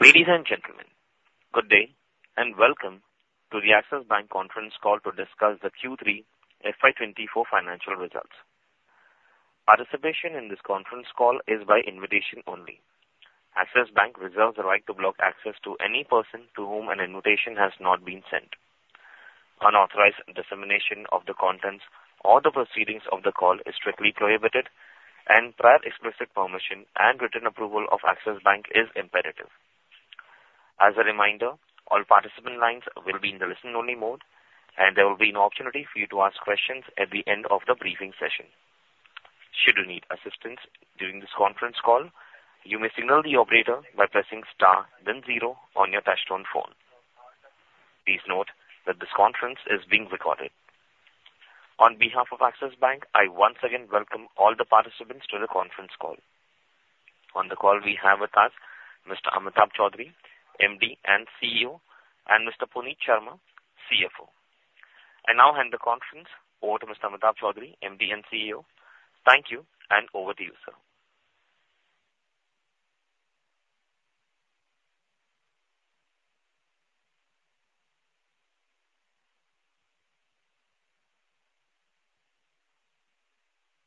Ladies and gentlemen, good day, and welcome to the Axis Bank Conference Call to discuss the Q3 FY 2024 Financial Results. Participation in this conference call is by invitation only. Axis Bank reserves the right to block access to any person to whom an invitation has not been sent. Unauthorized dissemination of the contents or the proceedings of the call is strictly prohibited, and prior explicit permission and written approval of Axis Bank is imperative. As a reminder, all participant lines will be in the listen-only mode, and there will be an opportunity for you to ask questions at the end of the briefing session. Should you need assistance during this conference call, you may signal the operator by pressing star then zero on your touchtone phone. Please note that this conference is being recorded. On behalf of Axis Bank, I once again welcome all the participants to the conference call. On the call, we have with us Mr. Amitabh Chaudhry, MD and CEO, and Mr. Puneet Sharma, CFO. I now hand the conference over to Mr. Amitabh Chaudhry, MD and CEO. Thank you, and over to you, sir.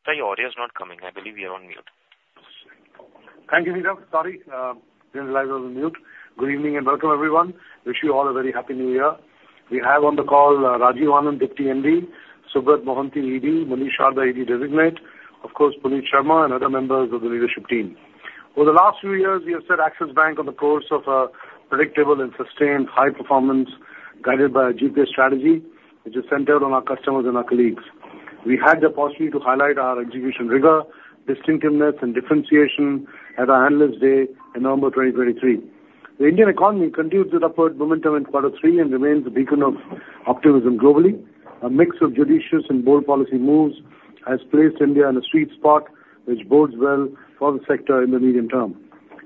Sir, your audio is not coming. I believe you are on mute. Thank you, Neeraj. Sorry, uh, didn't realize I was on mute. Good evening, and welcome everyone. Wish you all a very happy New Year. We have on the call, Rajiv Anand, Deputy MD, Subrat Mohanty, ED, Munish Sharda, ED Designate, of course, Puneet Sharma and other members of the leadership team. Over the last few years, we have set Axis Bank on the course of a predictable and sustained high performance, guided by a GPS strategy, which is centered on our customers and our colleagues. We had the opportunity to highlight our execution rigor, distinctiveness and differentiation at our Analyst Day in November 2023. The Indian economy continues its upward momentum in quarter three and remains a beacon of optimism globally. A mix of judicious and bold policy moves has placed India in a sweet spot, which bodes well for the sector in the medium term.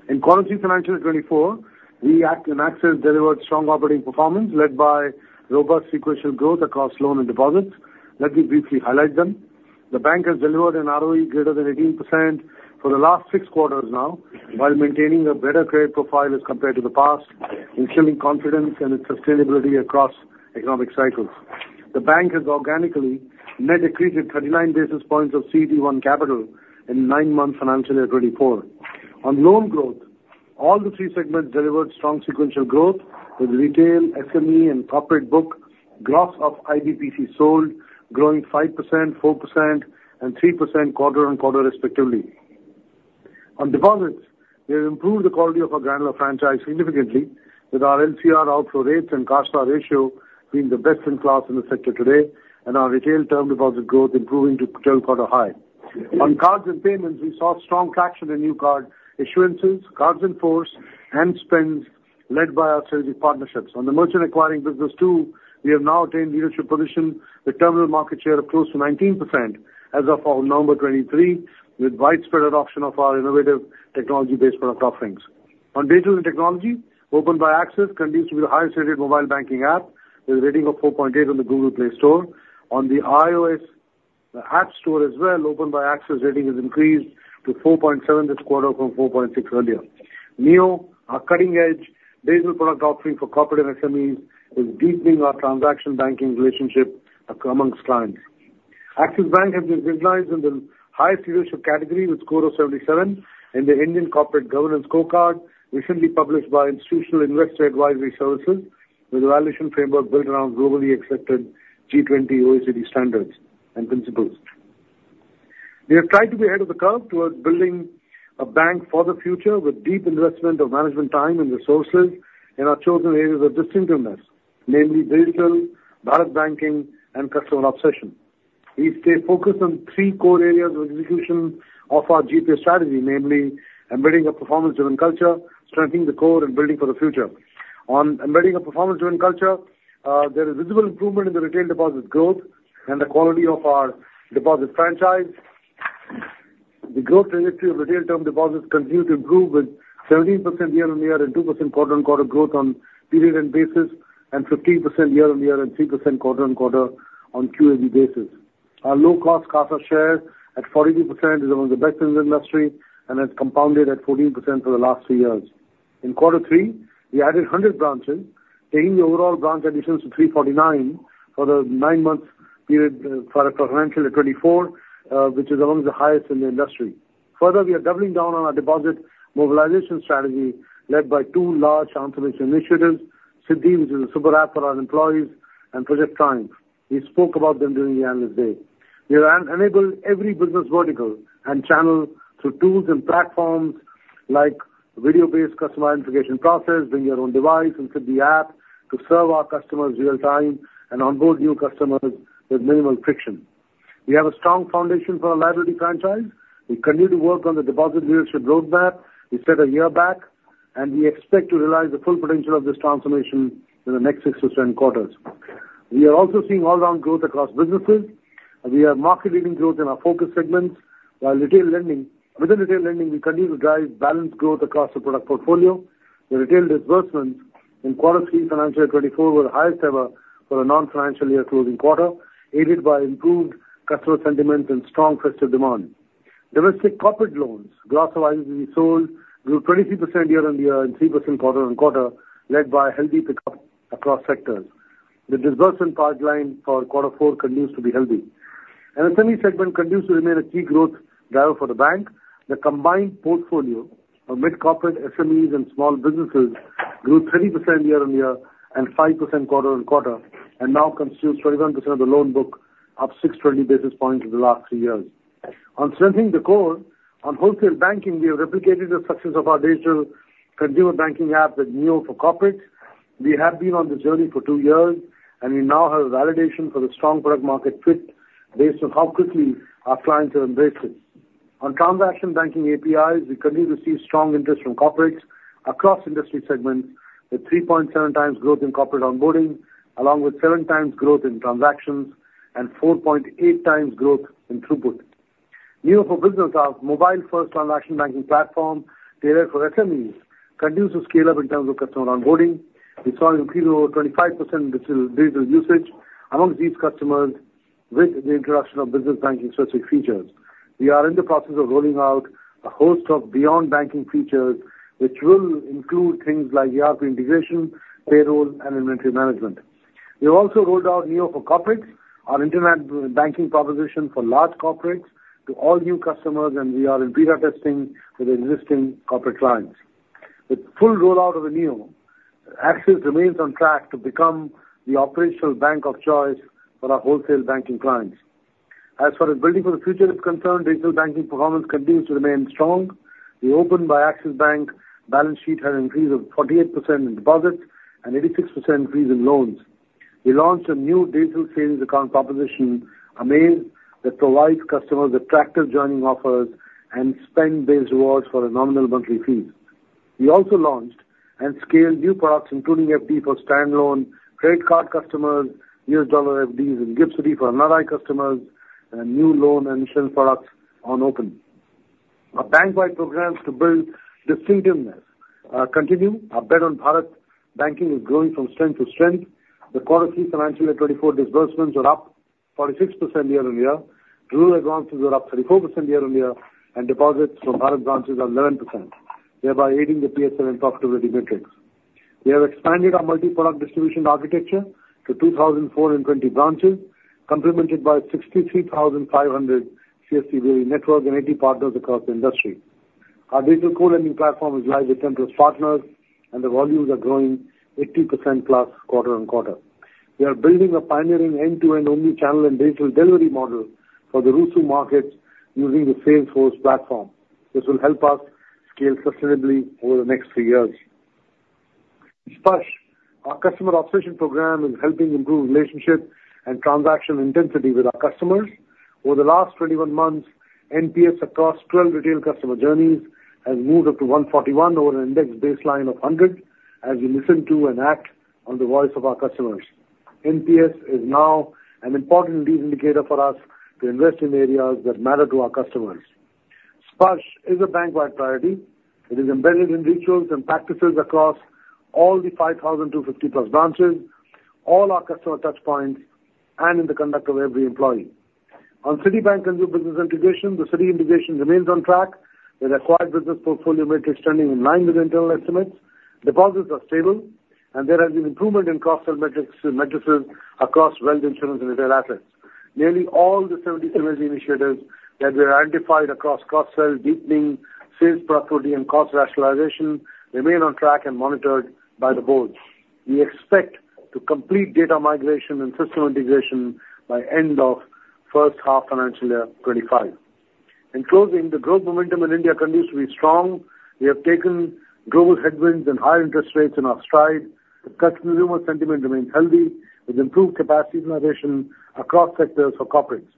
In quarter three, financial year 2024, we at Axis delivered strong operating performance, led by robust sequential growth across loan and deposits. Let me briefly highlight them. The bank has delivered an ROE greater than 18% for the last six quarters now, while maintaining a better credit profile as compared to the past, instilling confidence in its sustainability across economic cycles. The bank has organically net accreted 39 basis points of CET1 capital in nine months, financial year 2024. On loan growth, all the three segments delivered strong sequential growth, with retail, SME, and corporate book, gross up IBPC sold, growing 5%, 4% and 3% quarter-on-quarter, respectively. On deposits, we have improved the quality of our granular franchise significantly, with our LCR outflow rates and CASA ratio being the best in class in the sector today, and our retail term deposit growth improving to total quarter high. On cards and payments, we saw strong traction in new card issuances, cards in force and spends led by our strategic partnerships. On the merchant acquiring business, too, we have now attained leadership position with terminal market share of close to 19% as of our November 2023, with widespread adoption of our innovative technology-based product offerings. On digital and technology, Open by Axis continues to be the highest-rated mobile banking app, with a rating of 4.8 on the Google Play Store. On the iOS App Store as well, Open by Axis rating has increased to 4.7 this quarter from 4.6 earlier. Neo, our cutting-edge digital product offering for corporate and SMEs, is deepening our transaction banking relationship among clients. Axis Bank has been recognized in the highest leadership category with score of 77 in the Indian Corporate Governance Scorecard, recently published by Institutional Investor Advisory Services, with evaluation framework built around globally accepted G20/OECD standards and principles. We have tried to be ahead of the curve towards building a bank for the future, with deep investment of management time and resources in our chosen areas of distinctiveness, namely digital, Bharat banking and customer obsession. We stay focused on three core areas of execution of our GPS strategy, namely embedding a performance-driven culture, strengthening the core and building for the future. On embedding a performance-driven culture, there is visible improvement in the retail deposit growth and the quality of our deposit franchise. The growth trajectory of retail term deposits continued to improve, with 17% year-on-year and 2% quarter-on-quarter growth on period end basis, and 15% year-on-year and 3% quarter-on-quarter on QAB basis. Our low-cost CASA share at 42% is among the best in the industry and has compounded at 14% for the last three years. In quarter three, we added 100 branches, taking the overall branch additions to 349 for the nine-month period for our financial year 2024, which is among the highest in the industry. Further, we are doubling down on our deposit mobilization strategy, led by two large transformation initiatives, Siddhi, which is a super app for our employees, and Project Triumph. We spoke about them during the Analyst Day. We have enabled every business vertical and channel through tools and platforms like video-based customer identification process, bring your own device and Siddhi app to serve our customers real time and onboard new customers with minimal friction. We have a strong foundation for our liability franchise. We continue to work on the deposit leadership roadmap we set a year back, and we expect to realize the full potential of this transformation in the next 6-10 quarters. We are also seeing all-around growth across businesses. We have market-leading growth in our focus segments, while retail lending, within retail lending, we continue to drive balanced growth across the product portfolio. The retail disbursements in quarter 3, financial year 2024, were the highest ever for a non-financial year closing quarter, aided by improved customer sentiment and strong festive demand. Domestic corporate loans, gross of IBD sold, grew 23% year-on-year and 3% quarter-on-quarter, led by a healthy pickup across sectors. The disbursement pipeline for quarter four continues to be healthy, and the SME segment continues to remain a key growth driver for the bank. The combined portfolio of mid-corporate SMEs and small businesses grew 30% year-on-year and 5% quarter-on-quarter, and now consumes 31% of the loan book, up 620 basis points in the last two years. On strengthening the core, on wholesale banking, we have replicated the success of our digital consumer banking app with Neo for Corporates. We have been on this journey for two` years, and we now have a validation for the strong product market fit based on how quickly our clients have embraced it. On transaction banking APIs, we continue to see strong interest from corporates across industry segments, with 3.7x growth in corporate onboarding, along with 7x growth in transactions and 4.8x growth in throughput. Neo for Business, our mobile-first transaction banking platform tailored for SMEs, continues to scale up in terms of customer onboarding. We saw an increase of over 25% digital usage amongst these customers with the introduction of business banking specific features. We are in the process of rolling out a host of beyond banking features, which will include things like UPI integration, payroll, and inventory management. We have also rolled out Neo for Corporates, our internet banking proposition for large corporates, to all new customers, and we are in beta testing with existing corporate clients. With full rollout of the Neo, Axis remains on track to become the operational bank of choice for our wholesale banking clients. As far as building for the future is concerned, digital banking performance continues to remain strong. The Open by Axis balance sheet has an increase of 48% in deposits and 86% increase in loans. We launched a new digital savings account proposition, Amaze, that provides customers attractive joining offers and spend-based rewards for a nominal monthly fee. We also launched and scaled new products, including FD for standalone loan credit card customers, US dollar FDs, and GIFT City for non-NRI customers, and new loan and insurance products on Open. Our bank-wide programs to build distinctiveness continue. Our bet on Bharat Banking is growing from strength to strength. The quarter 3 financial year 2024 disbursements were up 46% year-on-year, rural advances were up 34% year-on-year, and deposits from Bharat branches are 11%, thereby aiding the PSL and profitability metrics. We have expanded our multi-product distribution architecture to 2,420 branches, complemented by 63,500 CSDB network and 80 partners across the industry. Our digital co-lending platform is live with 10+ partners, and the volumes are growing 80%+, quarter-on-quarter. We are building a pioneering end-to-end omni-channel and digital delivery model for the RUSU markets using the Salesforce platform. This will help us scale sustainably over the next three years. Sparsh, our customer obsession program, is helping improve relationships and transaction intensity with our customers. Over the last 21 months, NPS across 12 retail customer journeys has moved up to 141 over an index baseline of 100, as we listen to and act on the voice of our customers. NPS is now an important lead indicator for us to invest in areas that matter to our customers. Sparsh is a bank-wide priority. It is embedded in rituals and practices across all the 5,250+ branches, all our customer touch points, and in the conduct of every employee. On Citibank and new business integration, the Citi integration remains on track, with acquired business portfolio metrics trending in line with internal estimates. Deposits are stable, and there has been improvement in cross-sell metrics, metrics across wealth, insurance, and retail assets. Nearly all the 70 synergy initiatives that were identified across cross-sell, deepening, sales productivity, and cost rationalization remain on track and monitored by the board. We expect to complete data migration and system integration by end of first half financial year 25. In closing, the growth momentum in India continues to be strong. We have taken global headwinds and higher interest rates in our stride. The customer sentiment remains healthy, with improved capacity utilization across sectors for corporates.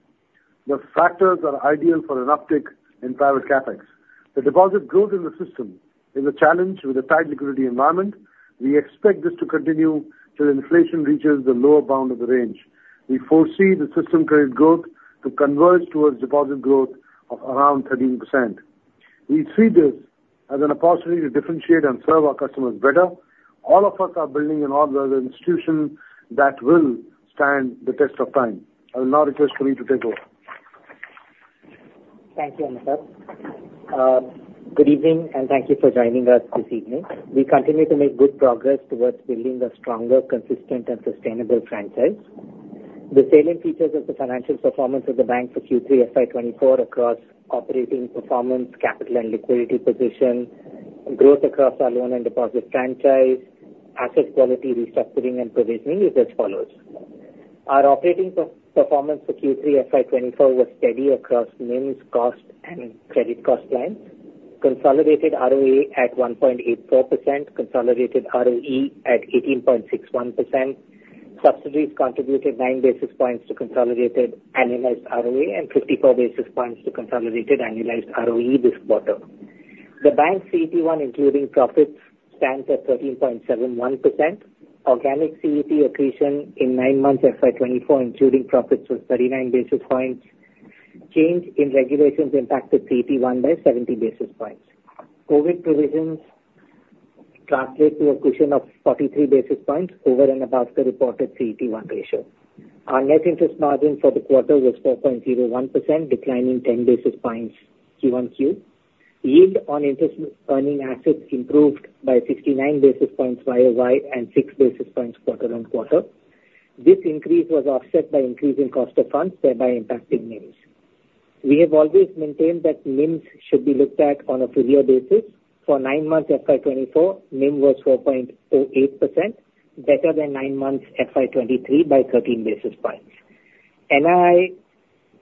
The factors are ideal for an uptick in private CapEx. The deposit growth in the system is a challenge with a tight liquidity environment. We expect this to continue till inflation reaches the lower bound of the range. We foresee the system credit growth to converge towards deposit growth of around 13%. We see this as an opportunity to differentiate and serve our customers better. All of us are building an institution that will stand the test of time. I will now request Puneet to take over. Thank you, Amitabh sir. Good evening, and thank you for joining us this evening. We continue to make good progress towards building a stronger, consistent, and sustainable franchise. The salient features of the financial performance of the bank for Q3 FY 2024 across operating performance, capital and liquidity position, growth across our loan and deposit franchise, asset quality, restructuring, and provisioning is as follows: Our operating performance for Q3 FY 2024 was steady across NIMs, cost, and credit cost lines. Consolidated ROA at 1.84%, consolidated ROE at 18.61%. Subsidiaries contributed nine basis points to consolidated annualized ROA and 54 basis points to consolidated annualized ROE this quarter. The bank CET1, including profits, stands at 13.71%. Organic CET accretion in nine months, FY 2024, including profits, was 39 basis points. Change in regulations impacted CET1 by 70 basis points. COVID provisions translate to a cushion of 43 basis points over and above the reported CET1 ratio. Our net interest margin for the quarter was 4.01%, declining 10 basis points Q1Q. Yield on interest earning assets improved by 69 basis points YOY, and 6 basis points quarter on quarter. This increase was offset by increasing cost of funds, thereby impacting NIMS. We have always maintained that NIMS should be looked at on a full year basis. For nine months, FY 2024, NIM was 4.08%, better than nine months FY 2023 by 13 basis points. NII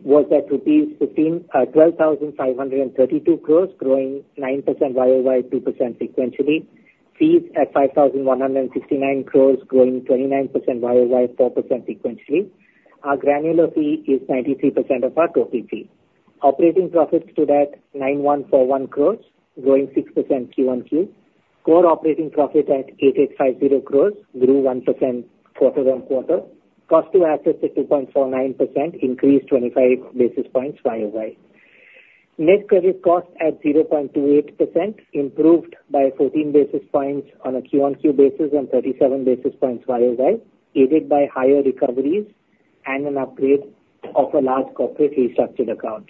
was at rupees 12,532 crore, growing 9% YOY, 2% sequentially. Fees at 5,169 crore, growing 29% YOY, 4% sequentially. Our granular fee is 93% of our total fee. Operating profits stood at 9,141 crores, growing 6% Q1Q. Core operating profit at 8,850 crores, grew 1% quarter-over-quarter. Cost to assets is 2.49%, increased 25 basis points YOY. Net credit cost at 0.28%, improved by 14 basis points on a Q1Q basis, and 37 basis points YOY, aided by higher recoveries and an upgrade of a large corporate restructured account.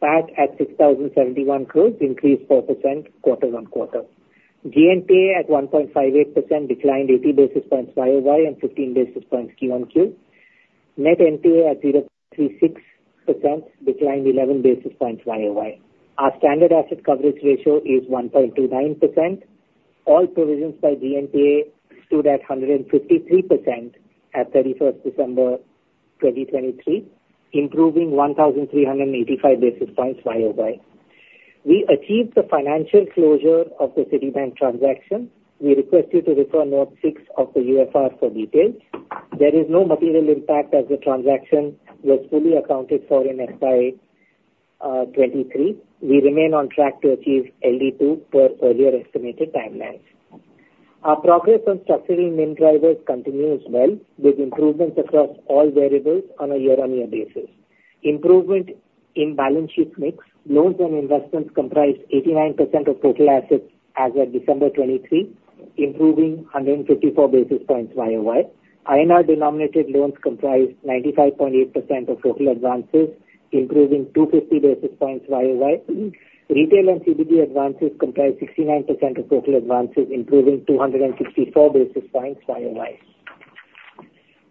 PAT at 6,071 crores, increased 4% quarter-over-quarter. GNPA at 1.58%, declined 80 basis points YOY and 15 basis points Q1Q. Net NPA at 0.36%, declined 11 basis points YOY. Our standard asset coverage ratio is 1.29%. All provisions by GNPA stood at 153% at December 31, 2023, improving 1,385 basis points YOY. We achieved the financial closure of the Citibank transaction. We request you to refer note six of the UFR for details. There is no material impact as the transaction was fully accounted for in FY 2023. We remain on track to achieve LD2 per earlier estimated timelines. Our progress on structuring NIM drivers continues well, with improvements across all variables on a year-on-year basis. Improvement in balance sheet mix, loans and investments comprised 89% of total assets as of December 2023, improving 154 basis points YOY. INR denominated loans comprised 95.8% of total advances, improving 250 basis points YOY. Retail and CBG advances comprised 69% of total advances, improving 264 basis points YOY.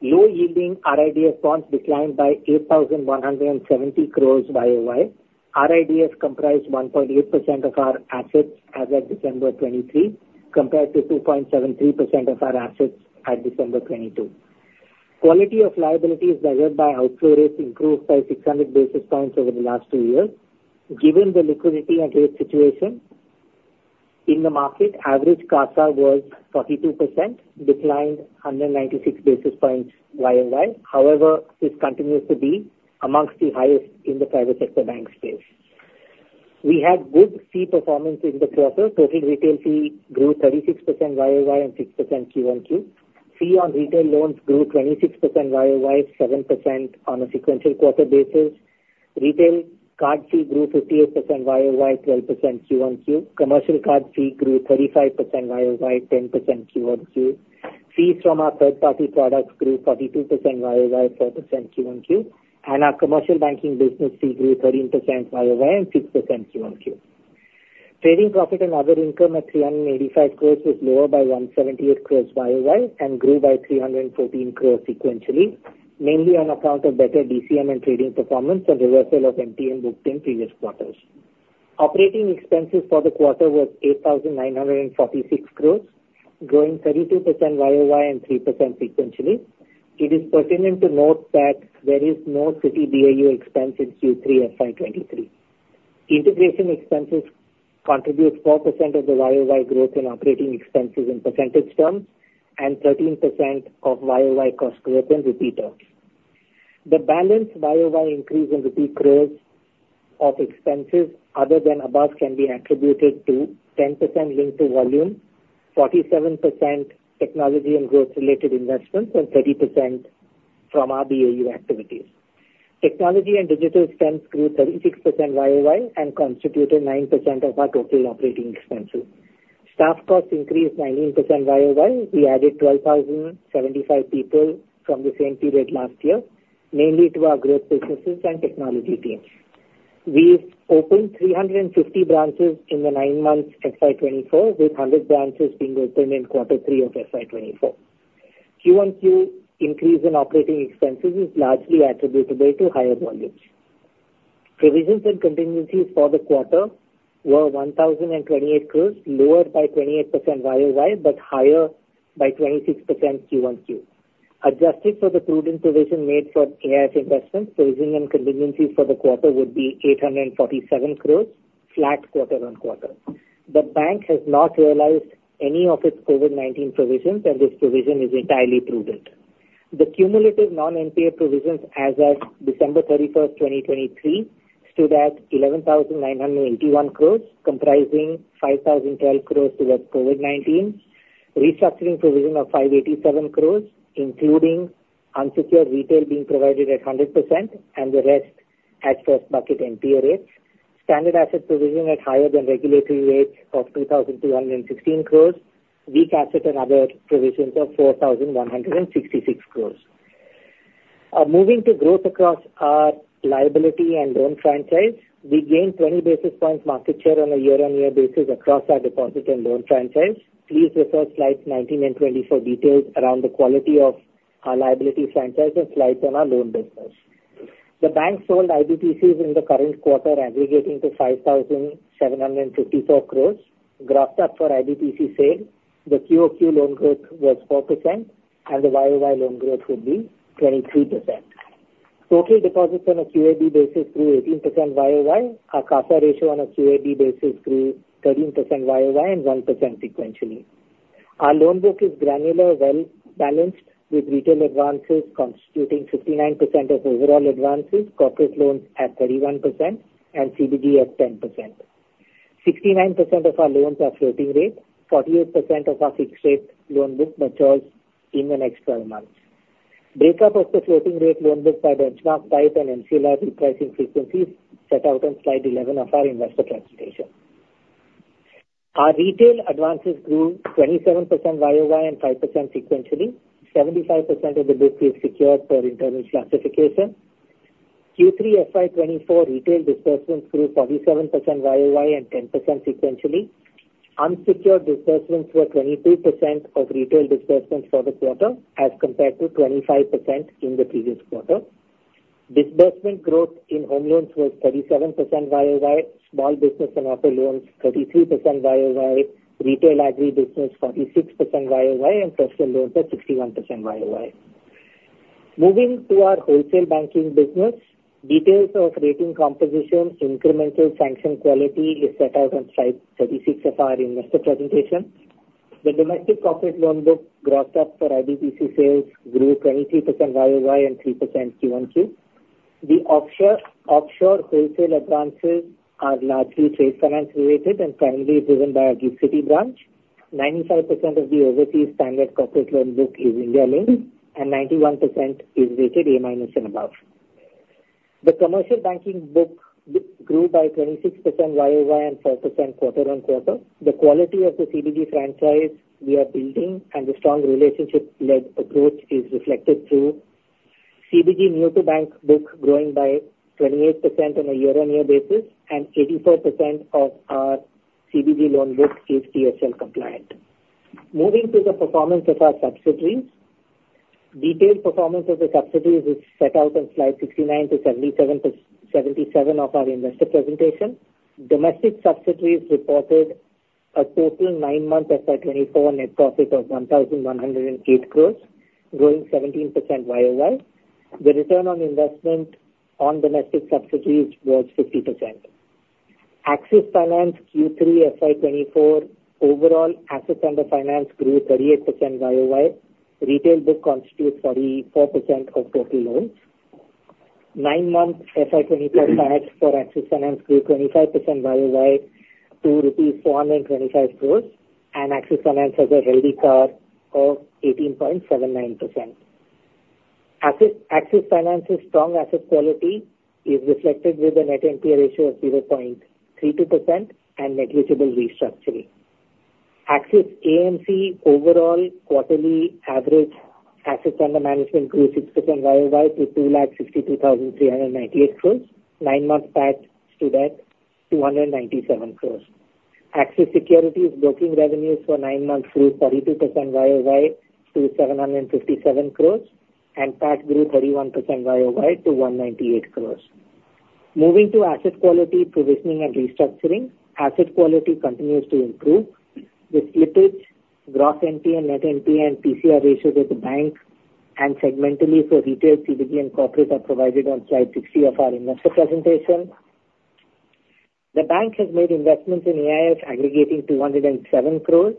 Low yielding RIDF funds declined by 8,170 crore YOY. RIDF comprised 1.8% of our assets as of December 2023, compared to 2.73% of our assets at December 2022. Quality of liability is measured by outflow rates, improved by 600 basis points over the last two years. Given the liquidity and rate situation in the market, average CASA was 42%, declined 196 basis points YOY. However, this continues to be among the highest in the private sector bank space. We had good fee performance in the quarter. Total retail fee grew 36% YOY and 6% Q1Q. Fee on retail loans grew 26% YOY, 7% on a sequential quarter basis. Retail card fee grew 58% YOY, 12% Q1Q. Commercial card fee grew 35% YOY, 10% Q1Q. Fees from our third party products grew 42% YOY, 4% Q1Q. Our commercial banking business fee grew 13% YOY and 6% Q1Q. Trading profit and other income at 385 crore was lower by 178 crore YOY, and grew by 314 crore sequentially, mainly on account of better DCM and trading performance, and reversal of MTM booked in previous quarters. Operating expenses for the quarter was 8,946 crore, growing 32% YOY and 3% sequentially. It is pertinent to note that there is no Citi BAU expense in Q3 FY 2023. Integration expenses contribute 4% of the YOY growth in operating expenses in percentage terms, and 13% of YOY cost growth in INR terms. The balance YOY increase in rupee crores of expenses, other than above, can be attributed to 10% linked to volume, 47% technology and growth-related investments, and 30% from our BAU activities. Technology and digital spends grew 36% YOY, and constituted 9% of our total operating expenses. Staff costs increased 19% YOY. We added 12,075 people from the same period last year, mainly to our growth businesses and technology teams. We've opened 350 branches in the nine months, FY 2024, with 100 branches being opened in Q3 of FY 2024. QoQ increase in operating expenses is largely attributable to higher volumes. Provisions and contingencies for the quarter were 1,028 crore, lower by 28% YOY, but higher by 26% Q1Q. Adjusted for the prudent provision made for AIF investments, provision and contingencies for the quarter would be 847 crore, flat quarter-over-quarter. The bank has not realized any of its COVID-19 provisions, and this provision is entirely prudent. The cumulative non-NPA provisions as of December 31, 2023, stood at 11,981 crore, comprising 5,012 crore towards COVID-19, restructuring provision of 587 crore, including unsecured retail being provided at 100%, and the rest at first bucket NPA rates.... Standard asset provision at higher than regulatory rates of 2,216 crore, weak asset and other provisions of 4,166 crore. Moving to growth across our liability and loan franchise, we gained 20 basis points market share on a year-over-year basis across our deposit and loan franchise. Please refer slides 19 and 20 for details around the quality of our liability franchise and slides on our loan business. The bank sold IBPCs in the current quarter, aggregating to 5,754 crore. Grossed up for IBPC sale, the QOQ loan growth was 4% and the YOY loan growth would be 23%. Total deposits on a QAB basis grew 18% YOY. Our CASA ratio on a QAB basis grew 13% YOY and 1% sequentially. Our loan book is granular, well-balanced, with retail advances constituting 59% of overall advances, corporate loans at 31% and CBG at 10%. 69% of our loans are floating rate, 48% of our fixed rate loan book matures in the next 12 months. Breakup of the floating rate loan book by benchmark type and MCLR repricing frequencies set out on slide 11 of our investor presentation. Our retail advances grew 27% YOY and 5% sequentially. 75% of the book is secured per internal classification. Q3 FY 2024 retail disbursements grew 47% YOY and 10% sequentially. Unsecured disbursements were 22% of retail disbursements for the quarter, as compared to 25% in the previous quarter. Disbursement growth in home loans was 37% YOY, small business and other loans, 33% YOY, retail agri business, 46% YOY, and personal loans were 61% YOY. Moving to our wholesale banking business, details of rating composition, incremental sanction quality is set out on slide 36 of our investor presentation. The domestic corporate loan book, grossed up for IBPC sales, grew 23% YOY and 3% QoQ. The offshore wholesale advances are largely trade finance related and primarily driven by our Citi branch. 95% of the overseas standard corporate loan book is India-linked, and 91% is rated A- and above. The commercial banking book grew by 26% YOY and 4% quarter-on-quarter. The quality of the CBG franchise we are building and the strong relationship-led approach is reflected through CBG new to bank book growing by 28% on a year-on-year basis, and 84% of our CBG loan book is PSL compliant. Moving to the performance of our subsidiaries. Detailed performance of the subsidiaries is set out on slides 69-77 of our investor presentation. Domestic subsidiaries reported a total nine-month FY 2024 net profit of 1,108 crore, growing 17% YOY. The return on investment on domestic subsidiaries was 50%. Axis Finance Q3 FY 2024, overall assets under finance grew 38% YOY. Retail book constitutes 44% of total loans. Nine months FY 2024 net profit for Axis Finance grew 25% YOY to 425 crore, and Axis Finance has a healthy CAR of 18.79%. Axis Finance's strong asset quality is reflected with a net NPA ratio of 0.32% and negligible restructuring. Axis AMC overall quarterly average assets under management grew 6% YOY to 262,398 crore. nine-month PAT stood at 297 crore. Axis Securities broking revenues for nine months grew 42% YOY to INR 757 crore, and PAT grew 31% YOY to INR 198 crore. Moving to asset quality provisioning and restructuring, asset quality continues to improve, with slippage, gross NPA, net NPA, and PCR ratios at the bank and segmentally for retail, CBG, and corporate are provided on slide 60 of our investor presentation. The bank has made investments in AIF aggregating to 107 crore,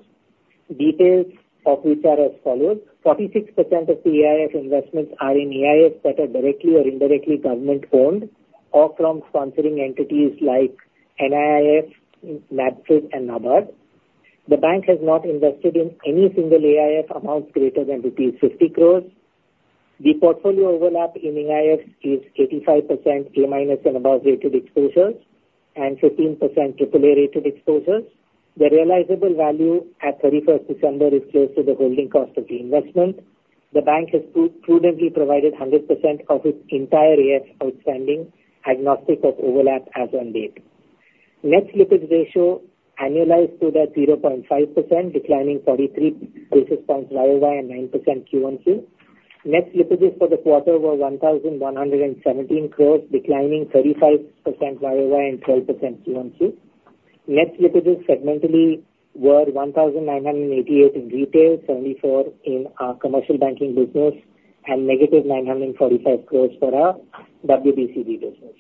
details of which are as follows: 46% of the AIF investments are in AIF that are directly or indirectly government-owned, or from sponsoring entities like NIIF, NABFID, and NABARD. The bank has not invested in any single AIF amount greater than rupees 50 crore. The portfolio overlap in AIF is 85% A minus and above rated exposures, and 15% triple A-rated exposures. The realizable value at 31 December is close to the holding cost of the investment. The bank has prudently provided 100% of its entire AIF outstanding, agnostic of overlap as on date. Net slippage ratio annualized stood at 0.5%, declining 43 basis points YOY and 9% QoQ. Net slippages for the quarter were 1,117 crore, declining 35% YOY and 12% QoQ. Net slippages segmentally were 1,988 crore in retail, 74 crore in our commercial banking business, and -945 crore for our WBCG business.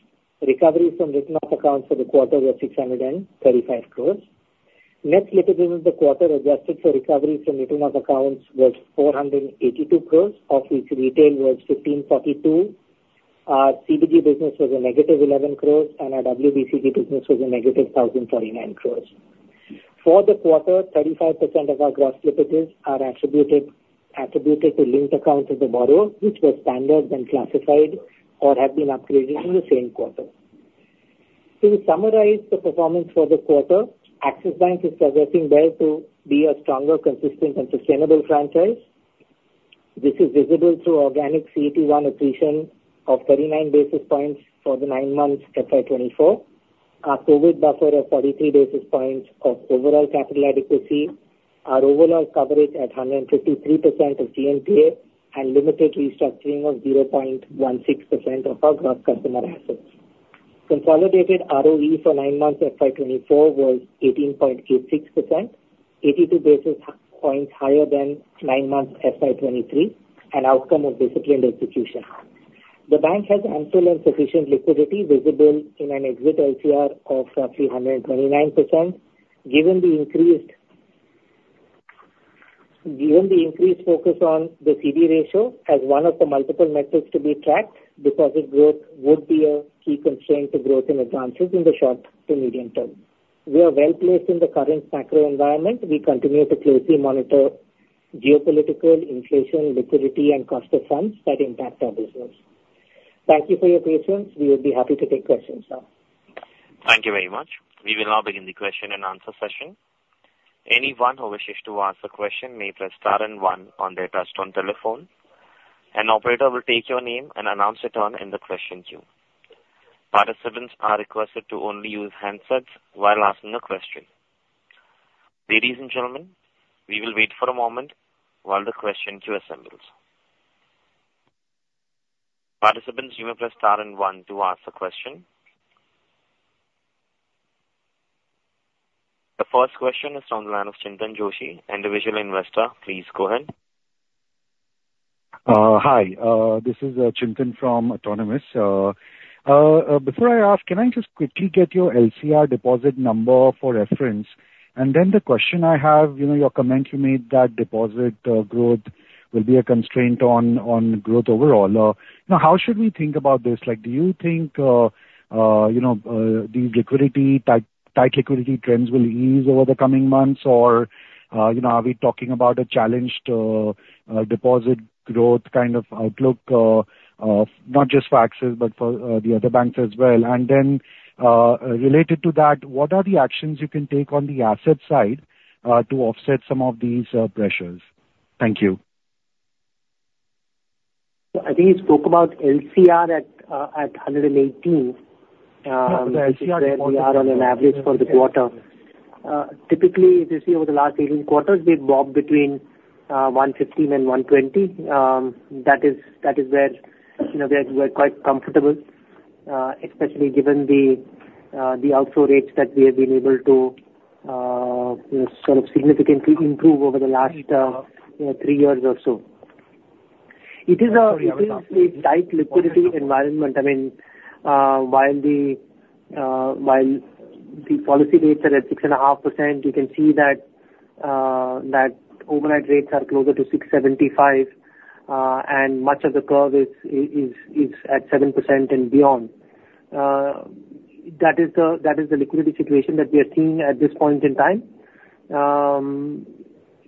Recoveries from written-off accounts for the quarter were 635 crore. Net slippage in the quarter, adjusted for recovery from written-off accounts, was 482 crore, of which retail was 1,542 crore, our CBG business was -11 crore, and our WBCG business was -1,049 crore. ...For the quarter, 35% of our gross slippages are attributed to linked accounts of the borrower, which were standard when classified or have been upgraded in the same quarter. To summarize the performance for the quarter, Axis Bank is progressing well to be a stronger, consistent and sustainable franchise. This is visible through organic CET1 accretion of 39 basis points for the nine months FY 2024, our COVID buffer of 43 basis points of overall capital adequacy, our overall coverage at 153% of GNPA, and limited restructuring of 0.16% of our gross customer assets. Consolidated ROE for nine months FY 2024 was 18.86%, 82 basis points higher than nine months FY 2023, an outcome of disciplined execution. The bank has ample and sufficient liquidity visible in an exit LCR of 329%. Given the increased focus on the CD ratio as one of the multiple metrics to be tracked, deposit growth would be a key constraint to growth in advances in the short to medium term. We are well placed in the current macro environment. We continue to closely monitor geopolitical, inflation, liquidity and cost of funds that impact our business. Thank you for your patience. We will be happy to take questions now. Thank you very much. We will now begin the question and answer session. Anyone who wishes to ask a question may press star and one on their touchtone telephone. An operator will take your name and announce it in the question queue. Participants are requested to only use handsets while asking a question. Ladies and gentlemen, we will wait for a moment while the question queue assembles. Participants, you may press star and one to ask a question. The first question is from the line of Chintan Joshi, Individual Investor. Please go ahead. Hi, this is Chintan from Autonomous. Before I ask, can I just quickly get your LCR deposit number for reference? And then the question I have, you know, your comment you made that deposit growth will be a constraint on growth overall. Now, how should we think about this? Like, do you think, you know, these liquidity type-tight liquidity trends will ease over the coming months, or, you know, are we talking about a challenged deposit growth kind of outlook, not just for Axis, but for the other banks as well? And then, related to that, what are the actions you can take on the asset side to offset some of these pressures? Thank you. I think he spoke about LCR at 118, where we are on an average for the quarter. Typically, if you see over the last 18 quarters, we've bobbed between 115 and 120. That is, that is where, you know, we are, we're quite comfortable, especially given the outflow rates that we have been able to, you know, sort of significantly improve over the last three years or so. It is a tight liquidity environment. I mean, while the policy rates are at 6.5%, you can see that overnight rates are closer to 6.75, and much of the curve is at 7% and beyond. That is the liquidity situation that we are seeing at this point in time.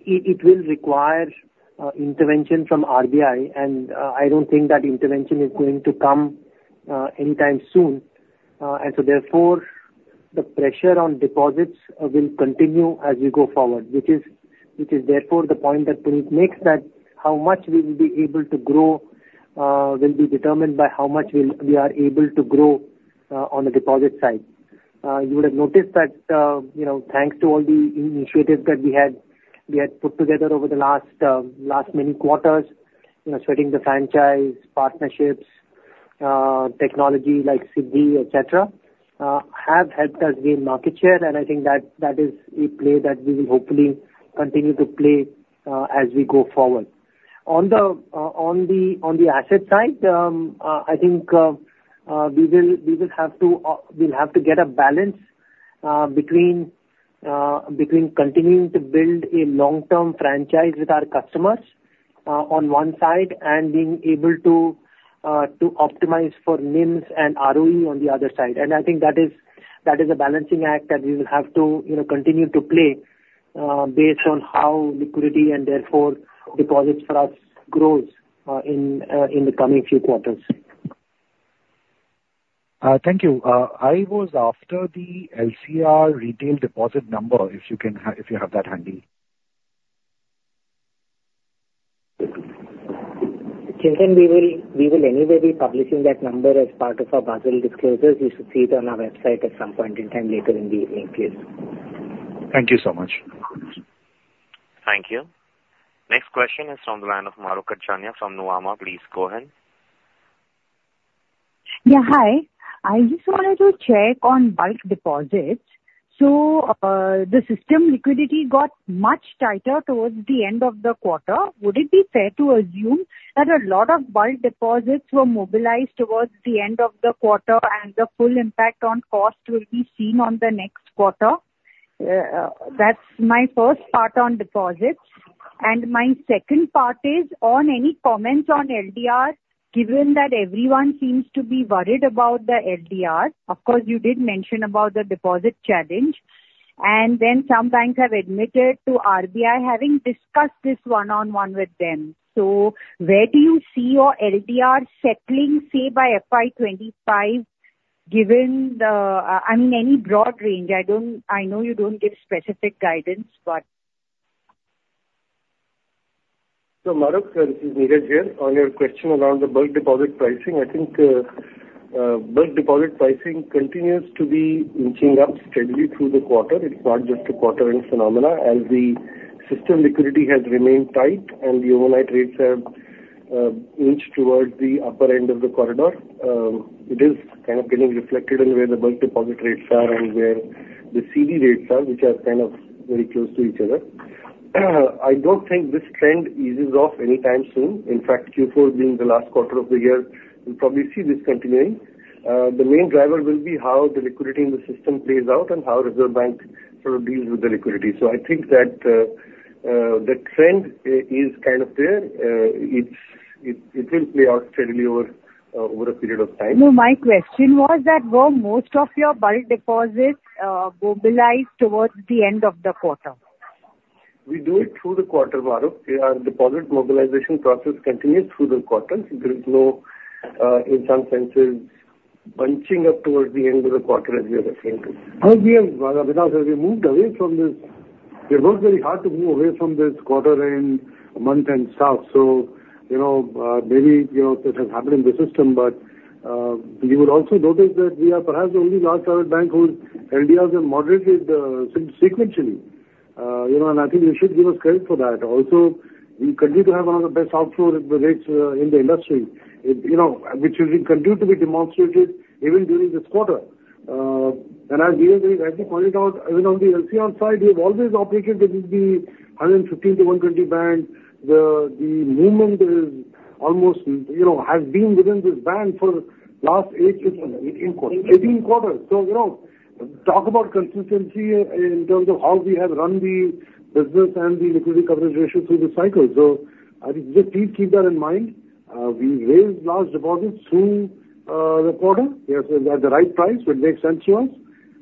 It will require intervention from RBI, and I don't think that intervention is going to come anytime soon. And so therefore, the pressure on deposits will continue as we go forward, which is therefore the point that Puneet makes, that how much we will be able to grow will be determined by how much we are able to grow on the deposit side. You would have noticed that, you know, thanks to all the initiatives that we had put together over the last many quarters, you know, strengthening the franchise, partnerships, technology like CB, et cetera, have helped us gain market share, and I think that is a play that we will hopefully continue to play as we go forward. On the asset side, I think we will have to get a balance between continuing to build a long-term franchise with our customers on one side, and being able to optimize for NIMS and ROE on the other side. And I think that is, that is a balancing act that we will have to, you know, continue to play, based on how liquidity and therefore deposit for us grows, in the coming few quarters. Thank you. I was after the LCR retail deposit number, if you have that handy. Chintan, we will, we will anyway be publishing that number as part of our Basel disclosures. You should see it on our website at some point in time later in the day. Thank you so much. Thank you. Next question is from the line of Mahrukh Adajania from Nomura. Please go ahead. Yeah, hi. I just wanted to check on bulk deposits. So, the system liquidity got much tighter towards the end of the quarter. Would it be fair to assume that a lot of bulk deposits were mobilized towards the end of the quarter, and the full impact on cost will be seen on the next quarter? That's my first part on deposits. And my second part is, on any comments on LDR, given that everyone seems to be worried about the LDR. Of course, you did mention about the deposit challenge, and then some banks have admitted to RBI having discussed this one-on-one with them. So where do you see your LDR settling, say, by FY 25, given the, I mean, any broad range? I don't, I know you don't give specific guidance, but. So, Mahrukh, this is Neeraj here. On your question around the bulk deposit pricing, I think, bulk deposit pricing continues to be inching up steadily through the quarter. It's not just a quarter-end phenomena. As the system liquidity has remained tight and the overnight rates have, inched towards the upper end of the corridor, it is kind of getting reflected in where the bulk deposit rates are and where the CD rates are, which are kind of very close to each other. I don't think this trend eases off anytime soon. In fact, Q4 being the last quarter of the year, we'll probably see this continuing. The main driver will be how the liquidity in the system plays out and how Reserve Bank sort of deals with the liquidity. So I think that, the trend, is kind of there. It will play out steadily over a period of time. No, my question was that, were most of your bulk deposits mobilized towards the end of the quarter? We do it through the quarter, Mahrukh. Our deposit mobilization process continues through the quarter. There is no, in some senses, bunching up towards the end of the quarter as we are referring to. We have, because we moved away from this. We worked very hard to move away from this quarter and month-end stuff, so, you know, maybe, you know, this has happened in the system, but, you would also notice that we are perhaps the only large private bank whose LDRs have moderated sequentially. You know, and I think you should give us credit for that. Also, we continue to have one of the best outflow rates in the industry. It, you know, which will continue to be demonstrated even during this quarter. As we have, as we pointed out, even on the LCR side, we have always operated within the 115-120 band. The movement is almost, you know, has been within this band for last 8 to 18 quarters. 18 quarters! So, you know, talk about consistency in terms of how we have run the business and the liquidity coverage ratio through the cycle. So I think just please keep that in mind. We raise large deposits through the quarter. Yes, at the right price, which makes sense to us,